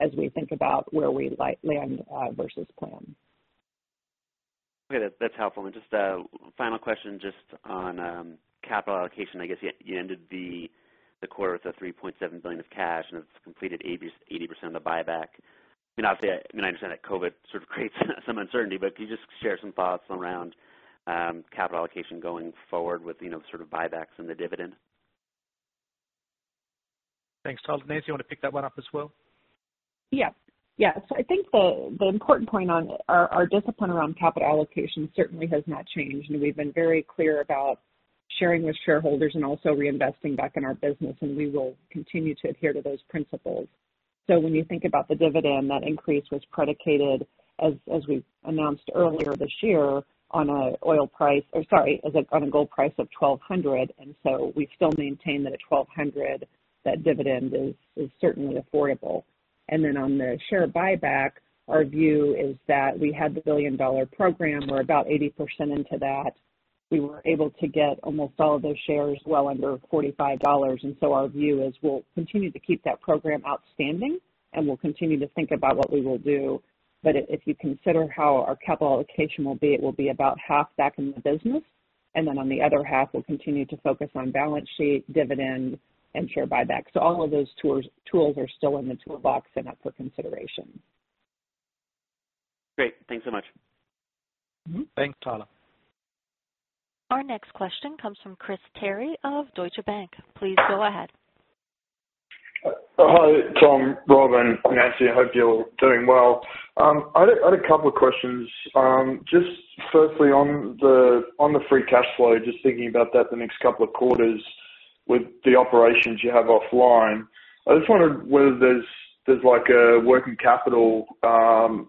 as we think about where we land versus plan. Okay. That's helpful. Just a final question just on capital allocation. I guess you ended the quarter with a $3.7 billion of cash, and it's completed 80% of the buyback. Obviously, I understand that COVID sort of creates some uncertainty, but can you just share some thoughts around capital allocation going forward with sort of buybacks and the dividend? Thanks, Tyler. Nancy, you want to pick that one up as well? I think the important point on our discipline around capital allocation certainly has not changed, and we've been very clear about sharing with shareholders and also reinvesting back in our business, and we will continue to adhere to those principles. When you think about the dividend, that increase was predicated, as we announced earlier this year, on a gold price of $1,200. We still maintain that at $1,200, that dividend is certainly affordable. On the share buyback, our view is that we had the billion-dollar program. We're about 80% into that. We were able to get almost all of those shares well under $45. Our view is we'll continue to keep that program outstanding, and we'll continue to think about what we will do. If you consider how our capital allocation will be, it will be about 50% back in the business. Then on the other 50%, we'll continue to focus on balance sheet, dividends, and share buybacks. All of those tools are still in the toolbox and up for consideration. Great. Thanks so much. Mm-hmm. Thanks, Tyler. Our next question comes from Chris Terry of Deutsche Bank. Please go ahead. Hi, Tom, Rob, and Nancy. I hope you're doing well. I had a couple of questions. Just firstly, on the free cash flow, just thinking about that the next couple of quarters with the operations you have offline, I just wondered whether there's a working capital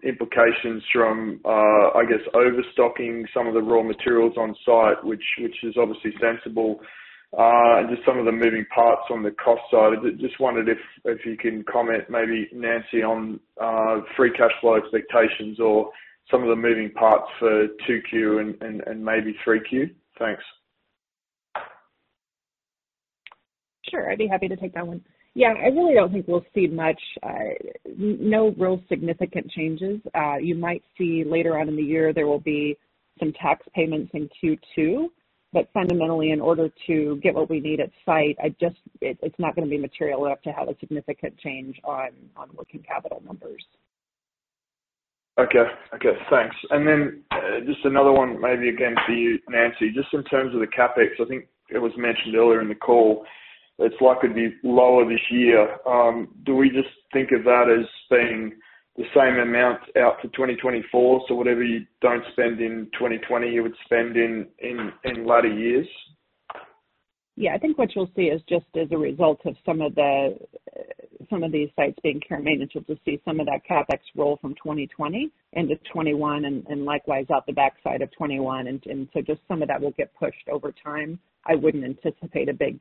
implications from, I guess, overstocking some of the raw materials on site, which is obviously sensible, and just some of the moving parts on the cost side. I just wondered if you can comment, maybe Nancy, on free cash flow expectations or some of the moving parts for Q2 and maybe Q3? Thanks. Sure. I'd be happy to take that one. Yeah, I really don't think we'll see much, no real significant changes. You might see later on in the year, there will be some tax payments in Q2. Fundamentally, in order to get what we need at site, it's not going to be material enough to have a significant change on working capital numbers. Okay. Thanks. Just another one, maybe again for you, Nancy. Just in terms of the CapEx, I think it was mentioned earlier in the call, it's likely to be lower this year. Do we just think of that as being the same amount out to 2024? Whatever you don't spend in 2020, you would spend in later years? Yeah. I think what you'll see is just as a result of some of these sites being care and maintenance, you'll just see some of that CapEx roll from 2020 into 2021 and likewise out the backside of 2021. Just some of that will get pushed over time. I wouldn't anticipate a big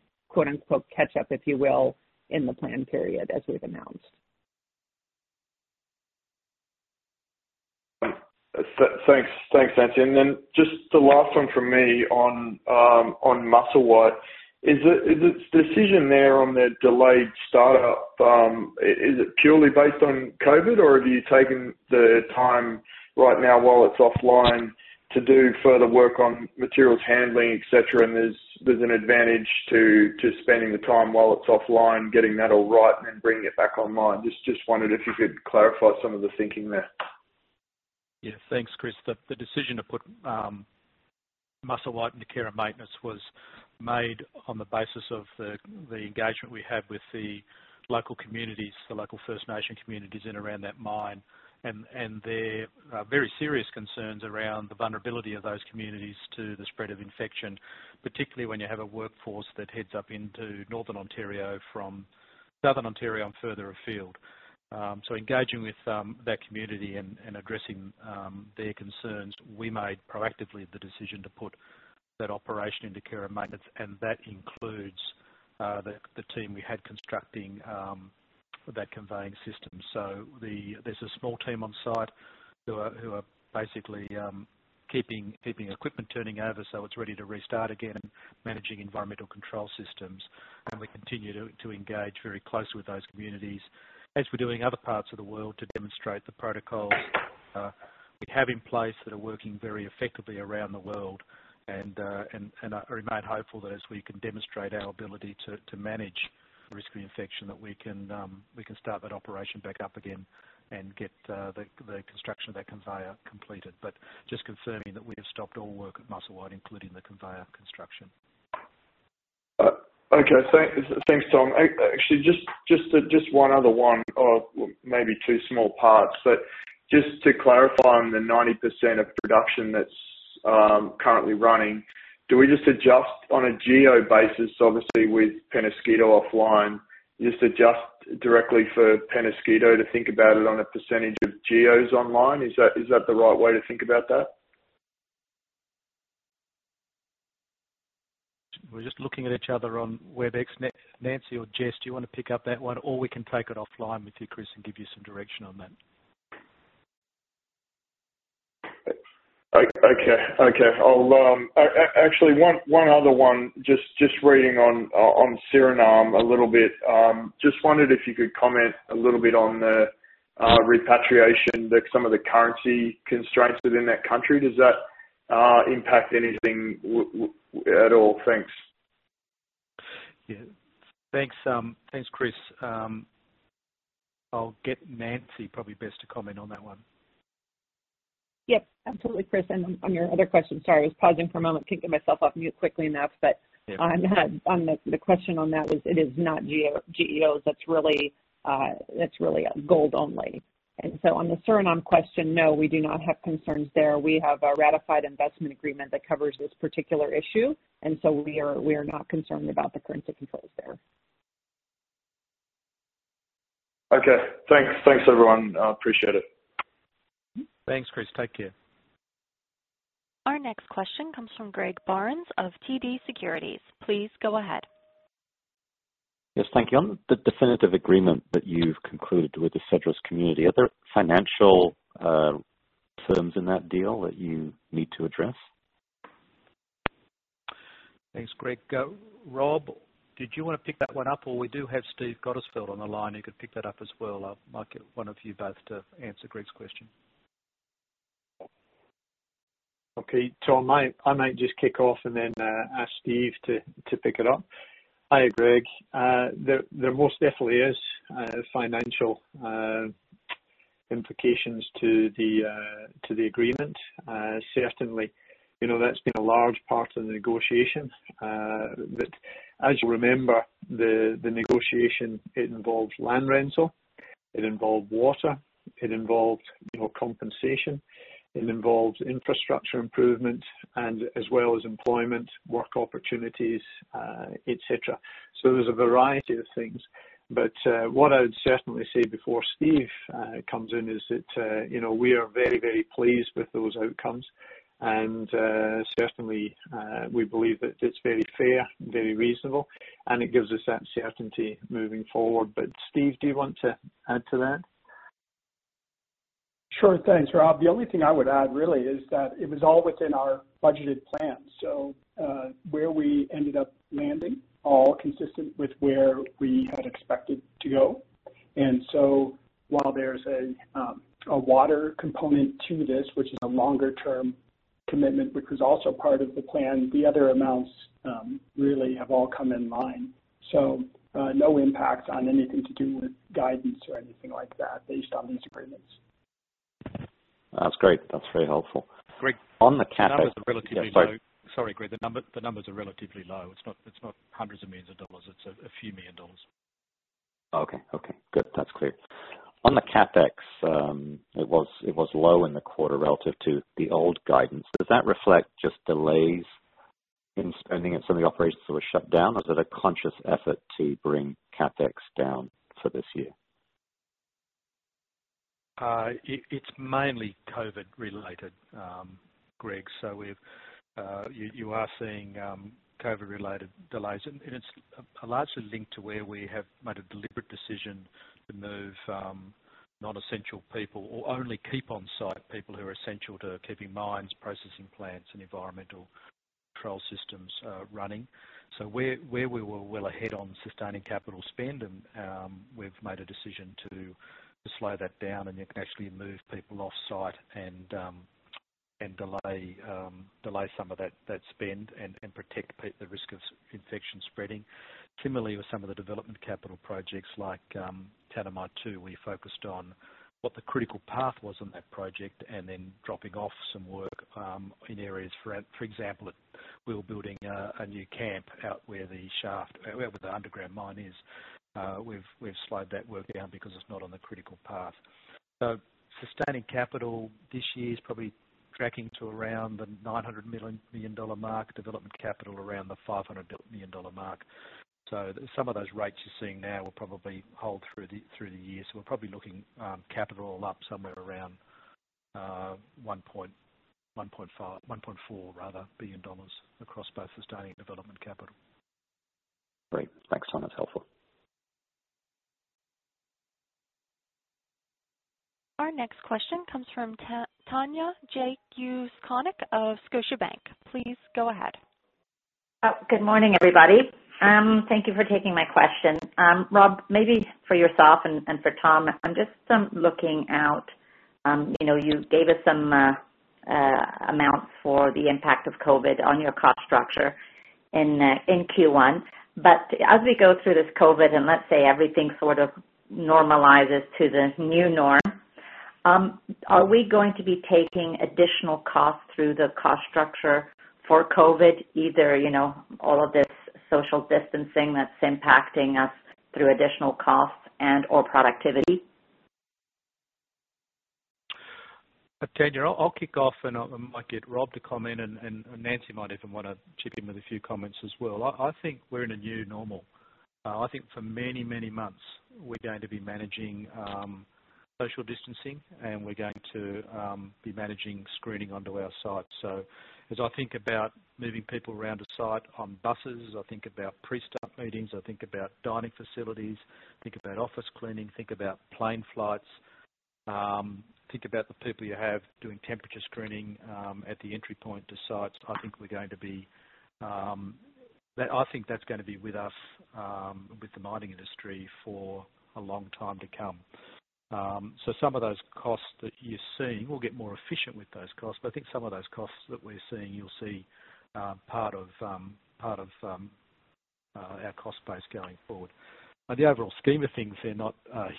"catch up," if you will, in the plan period as we've announced. Thanks, Nancy. Just the last one from me on Musselwhite. Is the decision there on the delayed startup, is it purely based on COVID-19 or have you taken the time right now while it's offline to do further work on Materials Handling, et cetera, and there's an advantage to spending the time while it's offline, getting that all right, and then bringing it back online? Just wondered if you could clarify some of the thinking there? Thanks, Chris. The decision to put Musselwhite into care and maintenance was made on the basis of the engagement we have with the local communities, the local First Nations communities in and around that mine, and their very serious concerns around the vulnerability of those communities to the spread of infection, particularly when you have a workforce that heads up into Northern Ontario from Southern Ontario and further afield. Engaging with that community and addressing their concerns, we made proactively the decision to put that operation into care and maintenance, and that includes the team we had constructing that conveying system. There's a small team on site who are basically keeping equipment turning over so it's ready to restart again, and managing environmental control systems. We continue to engage very closely with those communities as we do in other parts of the world, to demonstrate the protocols we have in place that are working very effectively around the world. I remain hopeful that as we can demonstrate our ability to manage the risk of infection, that we can start that operation back up again and get the construction of that conveyor completed. Just confirming that we have stopped all work at Musselwhite, including the conveyor construction. Okay. Thanks, Tom. Actually, just one other one or maybe two small parts. Just to clarify on the 90% of production that's currently running, do we just adjust on a GEO basis, obviously, with Peñasquito offline, just adjust directly for Peñasquito to think about it on a percentage of GEOs online? Is that the right way to think about that? We're just looking at each other on Webex. Nancy or Jess, do you want to pick up that one? We can take it offline with you, Chris, and give you some direction on that. Okay. Actually, one other one. Just reading on Suriname a little bit. Just wondered if you could comment a little bit on the repatriation that some of the currency constraints within that country, does that impact anything at all? Thanks. Yeah. Thanks. Thanks, Chris. I'll get Nancy probably best to comment on that one. Yep. Absolutely, Chris. On your other question, sorry, I was pausing for a moment. Couldn't get myself off mute quickly enough. On the question on that was it is not GEOs. That's really gold only. On the Suriname question, no, we do not have concerns there. We have a ratified investment agreement that covers this particular issue; we are not concerned about the currency controls there. Okay. Thanks, everyone. I appreciate it. Thanks, Chris. Take care. Our next question comes from Greg Barnes of TD Securities. Please go ahead. Yes. Thank you. On the definitive agreement that you've concluded with the Cedros community, are there financial terms in that deal that you need to address? Thanks, Greg. Rob, did you want to pick that one up, or we do have Steve Gottesfeld on the line who could pick that up as well? I might get one of you both to answer Greg's question. Okay. Tom, I might just kick off and then ask Steve to pick it up. Hi, Greg. There most definitely is financial implications to the agreement. Certainly, that's been a large part of the negotiation. As you remember, the negotiation, it involved land rental, it involved water, it involved compensation, it involved infrastructure improvement, as well as employment, work opportunities, et cetera. There's a variety of things. What I would certainly say before Steve comes in is that we are very, very pleased with those outcomes, and certainly, we believe that it's very fair, very reasonable, and it gives us that certainty moving forward. Steve, do you want to add to that? Sure. Thanks, Rob. The only thing I would add, really is that it was all within our budgeted plan. Where we ended up landing, all consistent with where we had expected to go. While there's a water component to this, which is a longer-term commitment, which was also part of the plan, the other amounts really have all come in line. No impact on anything to do with guidance or anything like that based on these agreements. That's great. That's very helpful. Greg. On the CapEx? The numbers are relatively low. Yes, sorry. Sorry, Greg. The numbers are relatively low. It's not hundreds of millions of dollars. It's a few million dollars. Okay. Good. That's clear. On the CapEx, it was low in the quarter relative to the old guidance. Does that reflect just delays in spending in some of the operations that were shut down, or is it a conscious effort to bring CapEx down for this year? It's mainly COVID-19 related, Greg. You are seeing COVID-19 related delays, and it's largely linked to where we have made a deliberate decision to move non-essential people or only keep on-ite people who are essential to keeping mines, processing plants, and environmental control systems running. Where we were well ahead on sustaining capital spend, and we've made a decision to slow that down and actually move people off-site, and delay some of that spend, and protect against the risk of infection spreading. Similarly, with some of the development capital projects like Tanami Expansion 2, we focused on what the critical path was on that project, and then dropping off some work in areas. For example, we were building a new camp out where the underground mine is. We've slowed that work down because it's not on the critical path. Sustaining capital this year is probably tracking to around the $900 million mark, development capital around the $500 million mark. Some of those rates you're seeing now will probably hold through the year. We're probably looking capital all up somewhere around $1.4 billion across both sustaining and development capital. Great. Thanks, Tom. That's helpful. Our next question comes from Tanya Jakusconek of Scotiabank. Please go ahead. Oh, good morning, everybody. Thank you for taking my question. Rob, maybe for yourself and for Tom, I'm just looking out. You gave us some amounts for the impact of COVID on your cost structure in Q1. As we go through this COVID, and let's say everything sort of normalizes to the new norm, are we going to be taking additional costs through the cost structure for COVID, either all of this social distancing that's impacting us through additional costs and/or productivity? Tanya, I'll kick off, and I might get Rob to comment, and Nancy might even want to chip in with a few comments as well. I think we're in a new normal. I think for many, many months, we're going to be managing social distancing, and we're going to be managing screening onto our sites. As I think about moving people around the site on buses, I think about pre-start meetings, I think about dining facilities, think about office cleaning, think about plane flights, think about the people you have doing temperature screening at the entry point to sites. I think that's going to be with us, with the mining industry for a long time to come. Some of those costs that you're seeing, we'll get more efficient with those costs, but I think some of those costs that we're seeing, you'll see part of our cost base going forward. The overall scheme of things, they're not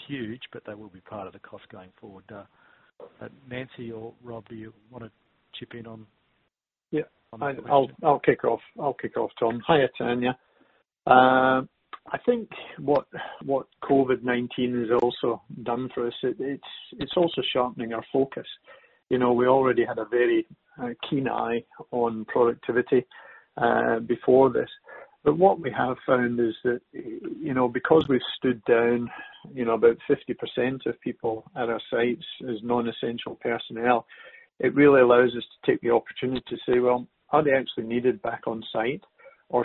huge, but they will be part of the cost going forward. Nancy or Rob, do you want to chip in on? I'll kick off, Tom. Hi, Tanya. I think what COVID-19 has also done for us, it's also sharpening our focus. We already had a very keen eye on productivity before this. What we have found is that because we've stood down about 50% of people at our sites as non-essential personnel, it really allows us to take the opportunity to say, well, are they actually needed back on site?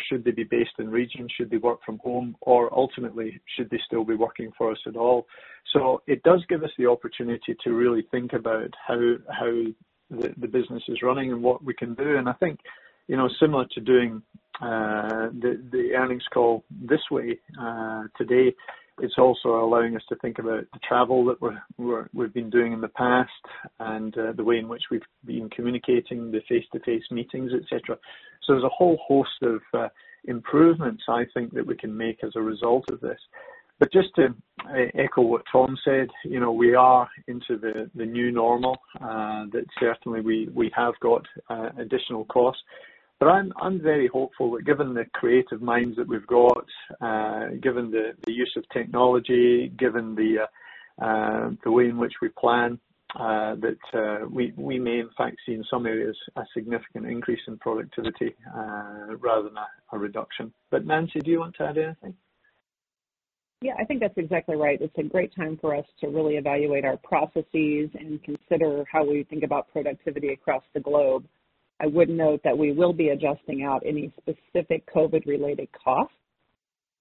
Should they be based in region? Should they work from home? Ultimately, should they still be working for us at all? It does give us the opportunity to really think about how the business is running and what we can do. I think, similar to doing the earnings call this way today, it's also allowing us to think about the travel that we've been doing in the past and the way in which we've been communicating, the face-to-face meetings, et cetera. There's a whole host of improvements I think that we can make as a result of this. Just to echo what Tom said, we are into the new normal, that certainly we have got additional costs. I'm very hopeful that, given the creative minds that we've got, given the use of technology, given the way in which we plan, that we may in fact see, in some areas, a significant increase in productivity rather than a reduction. Nancy, do you want to add anything? Yeah, I think that's exactly right. It's a great time for us to really evaluate our processes and consider how we think about productivity across the globe. I would note that we will be adjusting out any specific COVID-19 related costs,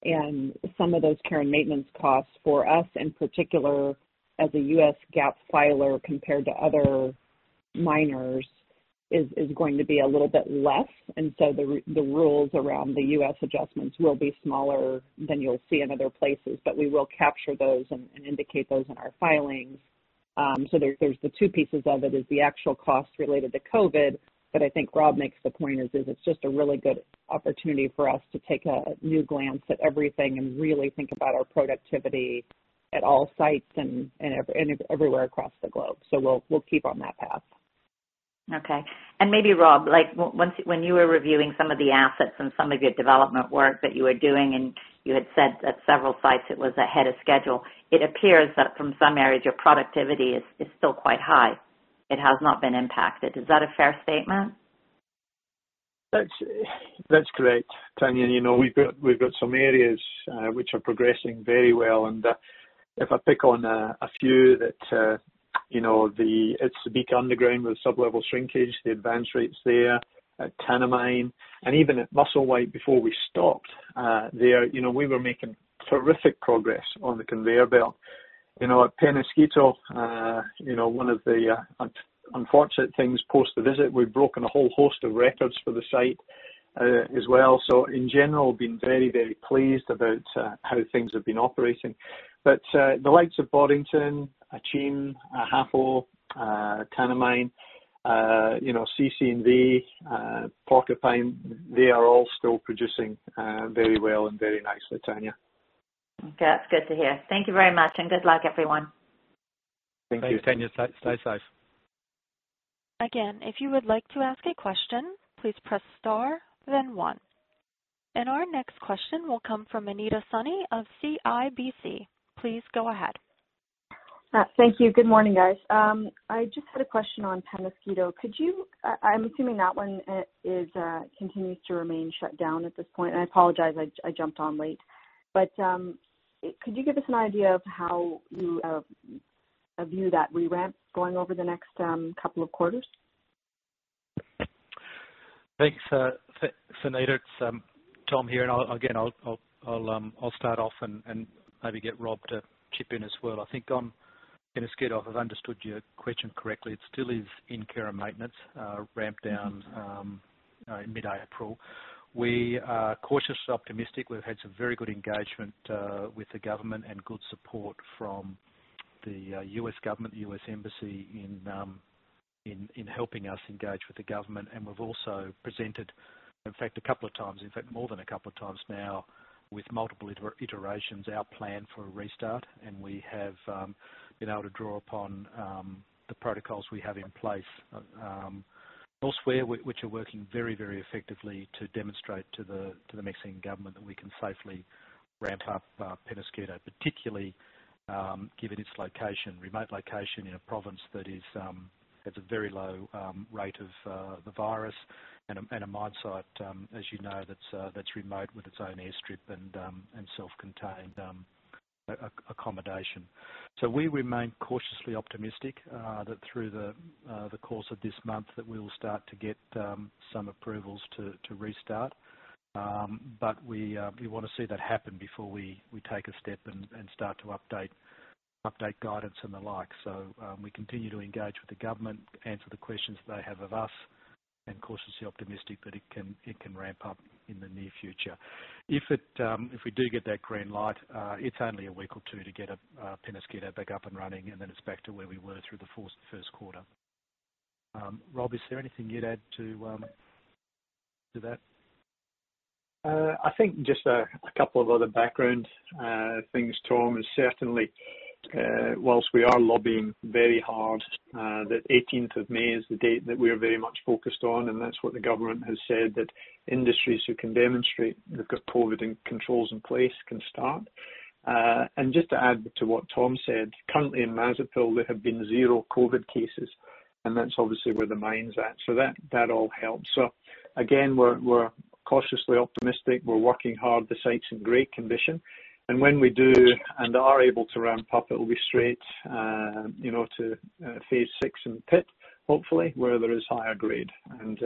and some of those care and maintenance costs for us, in particular as a U.S. GAAP filer, compared to other miners, is going to be a little bit less. The rules around the U.S. adjustments will be smaller than you'll see in other places, but we will capture those and indicate those in our filings. There's the two pieces of it, is the actual cost related to COVID-19, but I think Rob makes the point is it's just a really good opportunity for us to take a new glance at everything and really think about our productivity at all sites and everywhere across the globe. We'll keep on that path. Okay. Maybe Rob, when you were reviewing some of the assets and some of your development work that you were doing, you had said that several sites it was ahead of schedule. It appears that from some areas, your productivity is still quite high. It has not been impacted. Is that a fair statement? That's correct, Tanya. We've got some areas which are progressing very well. If I pick on a few that, the Subika Underground with sub-level shrinkage, the advance rates there at Tanami, and even at Musselwhite before we stopped, we were making terrific progress on the conveyor belt. At Peñasquito, one of the unfortunate things post the visit, we've broken a whole host of records for the site as well. In general, been very, very pleased about how things have been operating. The likes of Boddington, Akyem, Ahafo, Tanami, CC&V, Porcupine, they are all still producing very well and very nicely, Tanya. Okay. That's good to hear. Thank you very much and good luck, everyone. Thank you. Thanks, Tanya. Stay safe. Again, if you would like to ask a question, please press star then one. Our next question will come from Anita Soni of CIBC. Please go ahead. Thank you. Good morning, guys. I just had a question on Peñasquito. I'm assuming that one continues to remain shut down at this point. I apologize, I jumped on late. Could you give us an idea of how you view that revamp going over the next couple of quarters? Thanks, Anita. It's Tom here. Again, I'll start off and maybe get Rob to chip in as well. I think on Peñasquito, if I've understood your question correctly, it still is in care and maintenance, ramped down in mid-April. We are cautiously optimistic. We've had some very good engagement with the government and good support from the U.S. government, the U.S. Embassy, in helping us engage with the government. We've also presented, in fact, a couple of times, in fact, more than a couple of times now, with multiple iterations, our plan for a restart. We have been able to draw upon the protocols we have in place elsewhere, which are working very, very effectively to demonstrate to the Mexican government that we can safely ramp up Peñasquito, particularly given its remote location in a province that has a very low rate of the virus, and a mine site, as you know, that's remote with its own airstrip and self-contained accommodation. We remain cautiously optimistic that, through the course of this month, that we will start to get some approvals to restart. We want to see that happen before we take a step and start to update guidance and the like. We continue to engage with the government, answer the questions they have of us, and cautiously optimistic that it can ramp up in the near future. If we do get that green light, it's only a week or two to get Peñasquito back up and running, and then it's back to where we were through the first quarter. Rob, is there anything you'd add to that? I think just a couple of other background things, Tom. Certainly, whilst we are lobbying very hard, the 18th of May is the date that we are very much focused on, and that's what the government has said, that industries who can demonstrate they've got COVID-19 controls in place can start. Just to add to what Tom said, currently in Mazapil, there have been zero COVID-19 cases, and that's obviously where the mine's at. That all helps. Again, we're cautiously optimistic. We're working hard. The site's in great condition. When we do and are able to ramp up, it'll be straight to Phase 6 and pit, hopefully, where there is higher grade, and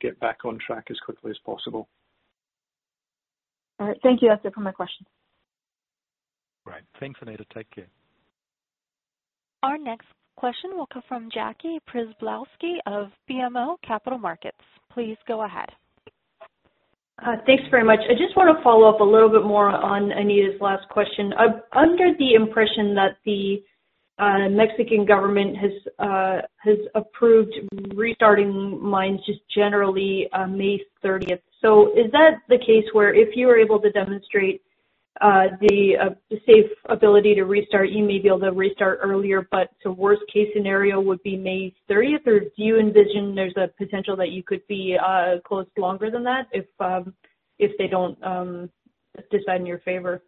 get back on track as quickly as possible. All right. Thank you, that's it for my questions. Great. Thanks, Anita. Take care. Our next question will come from Jackie Przybylowski of BMO Capital Markets. Please go ahead. Thanks very much. I just want to follow up a little bit more on Anita's last question. I'm under the impression that the Mexican government has approved restarting mines, generally on May 30th. Is that the case where if you are able to demonstrate the safe ability to restart, you may be able to restart earlier, but the worst-case scenario would be May 30th? Do you envision there's a potential that you could be closed longer than that if they don't decide in your favor?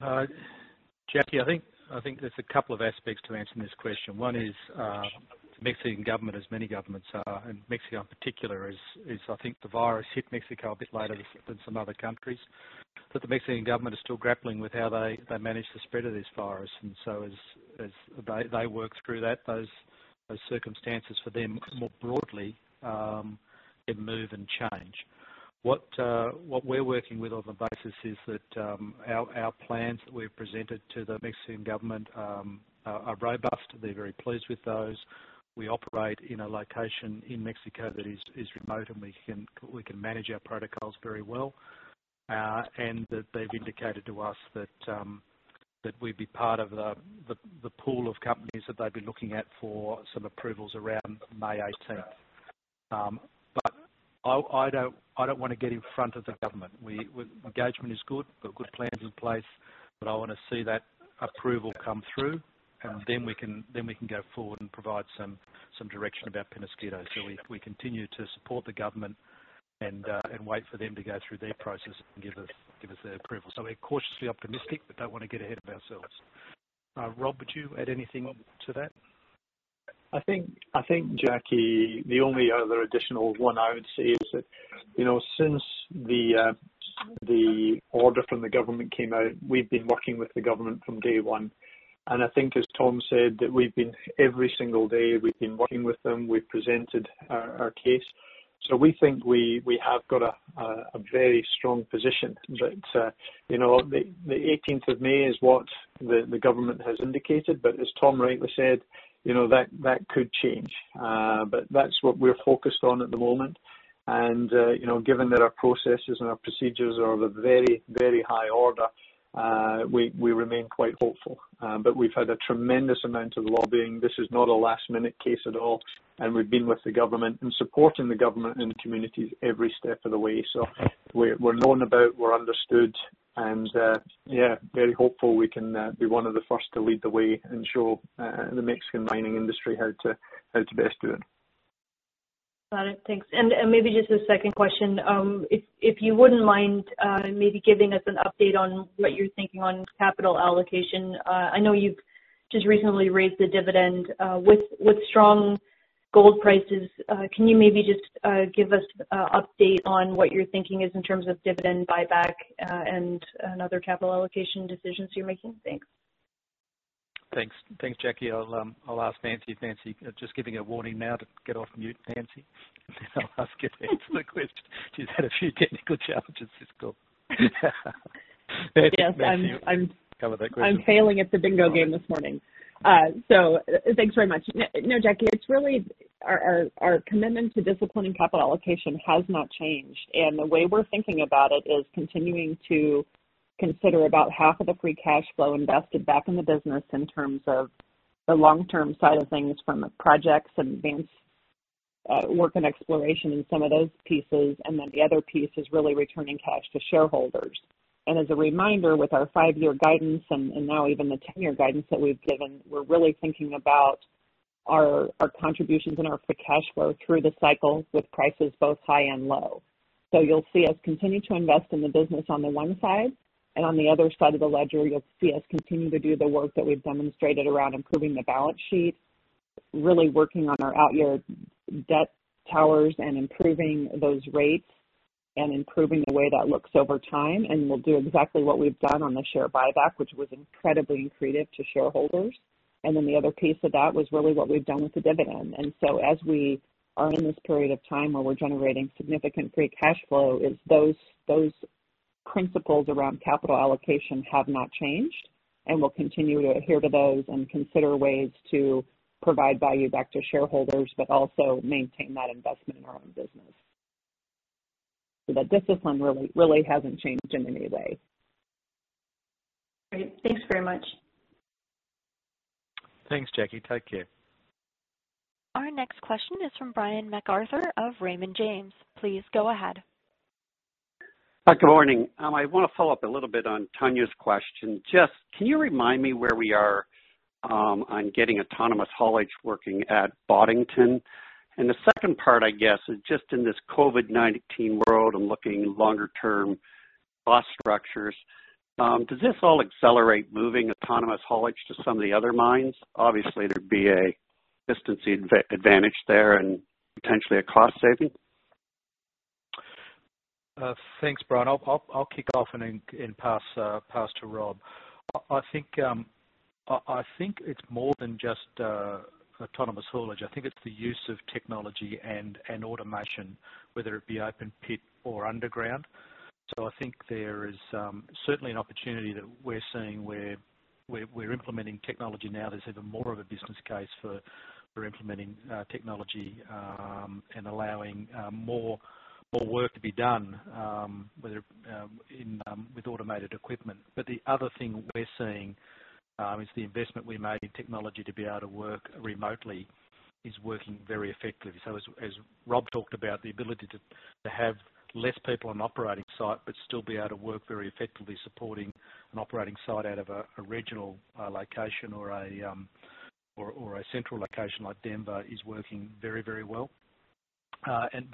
Jackie, I think there's a couple of aspects to answering this question. One is the Mexican government, as many governments are, and Mexico, in particular is, I think, the virus hit Mexico a bit later than some other countries. The Mexican government is still grappling with how they manage the spread of this virus. As they work through that, those circumstances for them more broadly can move and change. What we're working with on the basis is that our plans that we've presented to the Mexican government are robust. They're very pleased with those. We operate in a location in Mexico that is remote, and we can manage our protocols very well. They've indicated to us that we'd be part of the pool of companies that they'd be looking at for some approvals around May 18th. I don't want to get in front of the government. Engagement is good. Got good plans in place, but I want to see that approval come through, and then we can go forward and provide some direction about Peñasquito. We continue to support the government and wait for them to go through their process and give us their approval. We're cautiously optimistic but don't want to get ahead of ourselves. Rob, would you add anything to that? I think, Jackie, the only other additional one I would say is that since the order from the government came out, we've been working with the government from day one. I think, as Tom said, every single day, we've been working with them. We've presented our case. We think we have got a very strong position. The 18th of May is what the government has indicated. As Tom rightly said, that could change. That's what we're focused on at the moment. Given that our processes and our procedures are of a very, very high order, we remain quite hopeful. We've had a tremendous amount of lobbying. This is not a last-minute case at all, and we've been with the government and supporting the government and the communities every step of the way. We're known about, we're understood, and yeah, very hopeful we can be one of the first to lead the way and show the Mexican mining industry how to best do it. Got it. Thanks. Maybe just a second question. If you wouldn't mind, maybe giving us an update on what you're thinking on capital allocation? I know you've just recently raised the dividend. With strong gold prices, can you maybe just give us an update on what your thinking is in terms of dividend buyback and other capital allocation decisions you're making? Thanks. Thanks. Thanks, Jackie. I'll ask Nancy. Nancy, just giving a warning now to get off mute, Nancy. I'll ask her to answer the question. She's had a few technical challenges this call. Yes. Can you cover that question? I'm failing at the bingo game this morning. Thanks very much. Jackie, our commitment to disciplining capital allocation has not changed. The way we're thinking about it is continuing to consider about half of the free cash flow invested back in the business in terms of the long-term side of things from a projects, advance work, and exploration, and some of those pieces. The other piece is really returning cash to shareholders. As a reminder, with our five-year guidance and now even the 10-year guidance that we've given, we're really thinking about our contributions and our free cash flow through the cycle with prices both high and low. You'll see us continue to invest in the business on the one side, and on the other side of the ledger, you'll see us continue to do the work that we've demonstrated around improving the balance sheet, really working on our out-year debt towers and improving those rates and improving the way that looks over time. We'll do exactly what we've done on the share buyback, which was incredibly accretive to shareholders. The other piece of that was really what we've done with the dividend. As we are in this period of time where we're generating significant free cash flow, is those principles around capital allocation have not changed, and we'll continue to adhere to those and consider ways to provide value back to shareholders, but also maintain that investment in our own business. The discipline really hasn't changed in any way. Great. Thanks very much. Thanks, Jackie. Take care. Our next question is from Brian MacArthur of Raymond James. Please go ahead. Good morning. I want to follow up a little bit on Tanya's question. Just can you remind me where we are on getting Autonomous Haulage working at Boddington? The second part, I guess, is just in this COVID-19 world and looking longer-term cost structures, does this all accelerate moving Autonomous Haulage to some of the other mines? Obviously, there'd be a distancing advantage there and potentially a cost saving? Thanks, Brian. I'll kick off and pass to Rob. I think it's more than just Autonomous Haulage. I think it's the use of technology and automation, whether it be open pit or underground. I think there is certainly an opportunity that we're seeing where we're implementing technology now. There's even more of a business case for implementing technology and allowing more work to be done with automated equipment. The other thing we're seeing is the investment we made in technology to be able to work remotely is working very effectively. As Rob talked about, the ability to have less people on operating site, but still be able to work very effectively, supporting an operating site out of a regional location or a central location like Denver is working very well.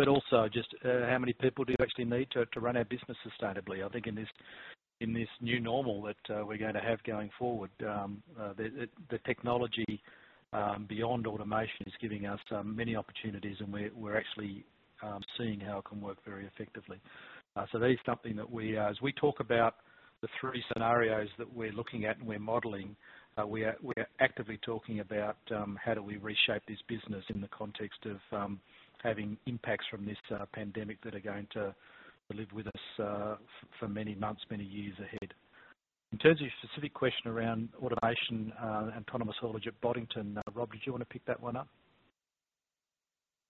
Also, just how many people do you actually need to run our business sustainably? I think in this new normal that we're going to have going forward, the technology beyond automation is giving us many opportunities, and we're actually seeing how it can work very effectively. That is something that we, as we talk about the three scenarios that we're looking at and we're modeling, we are actively talking about how do we reshape this business in the context of having impacts from this pandemic that are going to live with us for many months, many years ahead. In terms of your specific question around automation and Autonomous Haulage at Boddington, Rob, did you want to pick that one up?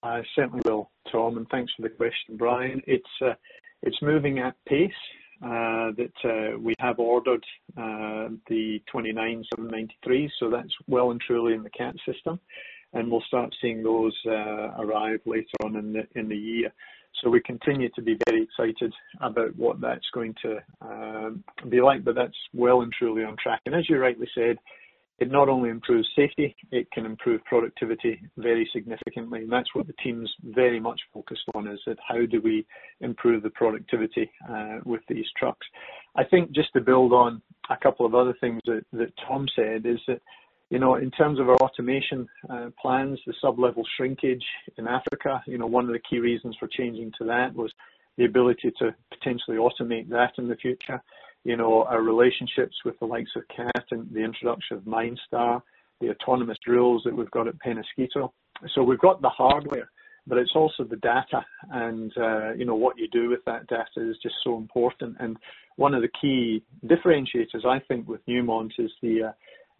I certainly will, Tom. Thanks for the question, Brian. It's moving at pace. We have ordered the 29 Cat 793F, so that's well and truly in the CAT system. We'll start seeing those arrive later on in the year. We continue to be very excited about what that's going to be like, but that's well and truly on track. As you rightly said, it not only improves safety, it can improve productivity very significantly. That's what the team's very much focused on, is how do we improve the productivity with these trucks. I think just to build on a couple of other things that Tom said is, in terms of our automation plans, the sub-level shrinkage in Africa, one of the key reasons for changing to that was the ability to potentially automate that in the future. Our relationships with the likes of CAT and the introduction of MineStar, the autonomous drills that we've got at Peñasquito. We've got the hardware, but it's also the data, and what you do with that data is just so important. One of the key differentiators, I think, with Newmont is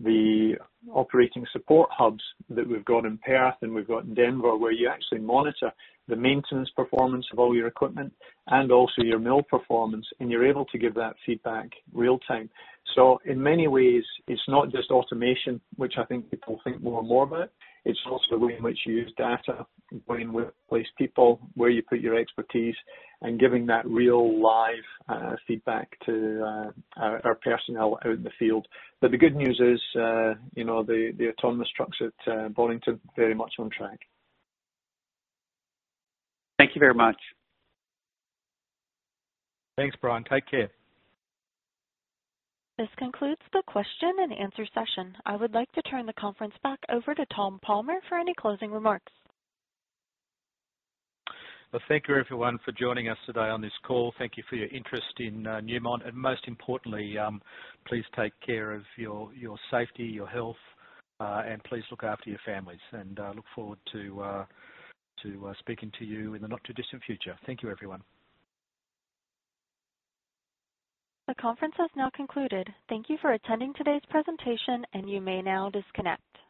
the operating support hubs that we've got in Perth, and we've got in Denver, where you actually monitor the maintenance performance of all your equipment and also your mill performance, and you're able to give that feedback real-time. In many ways, it's not just automation, which I think people think more and more about. It's also the way in which you use data, where you place people, where you put your expertise, and giving that real-life feedback to our personnel out in the field. The good news is, the autonomous trucks at Boddington are very much on track. Thank you very much. Thanks, Brian. Take care. This concludes the question and answer session. I would like to turn the conference back over to Tom Palmer for any closing remarks. Well, thank you, everyone, for joining us today on this call. Thank you for your interest in Newmont, and most importantly, please take care of your safety, your health, and please look after your families. I look forward to speaking to you in the not-too-distant future. Thank you, everyone. The conference has now concluded. Thank you for attending today's presentation, and you may now disconnect.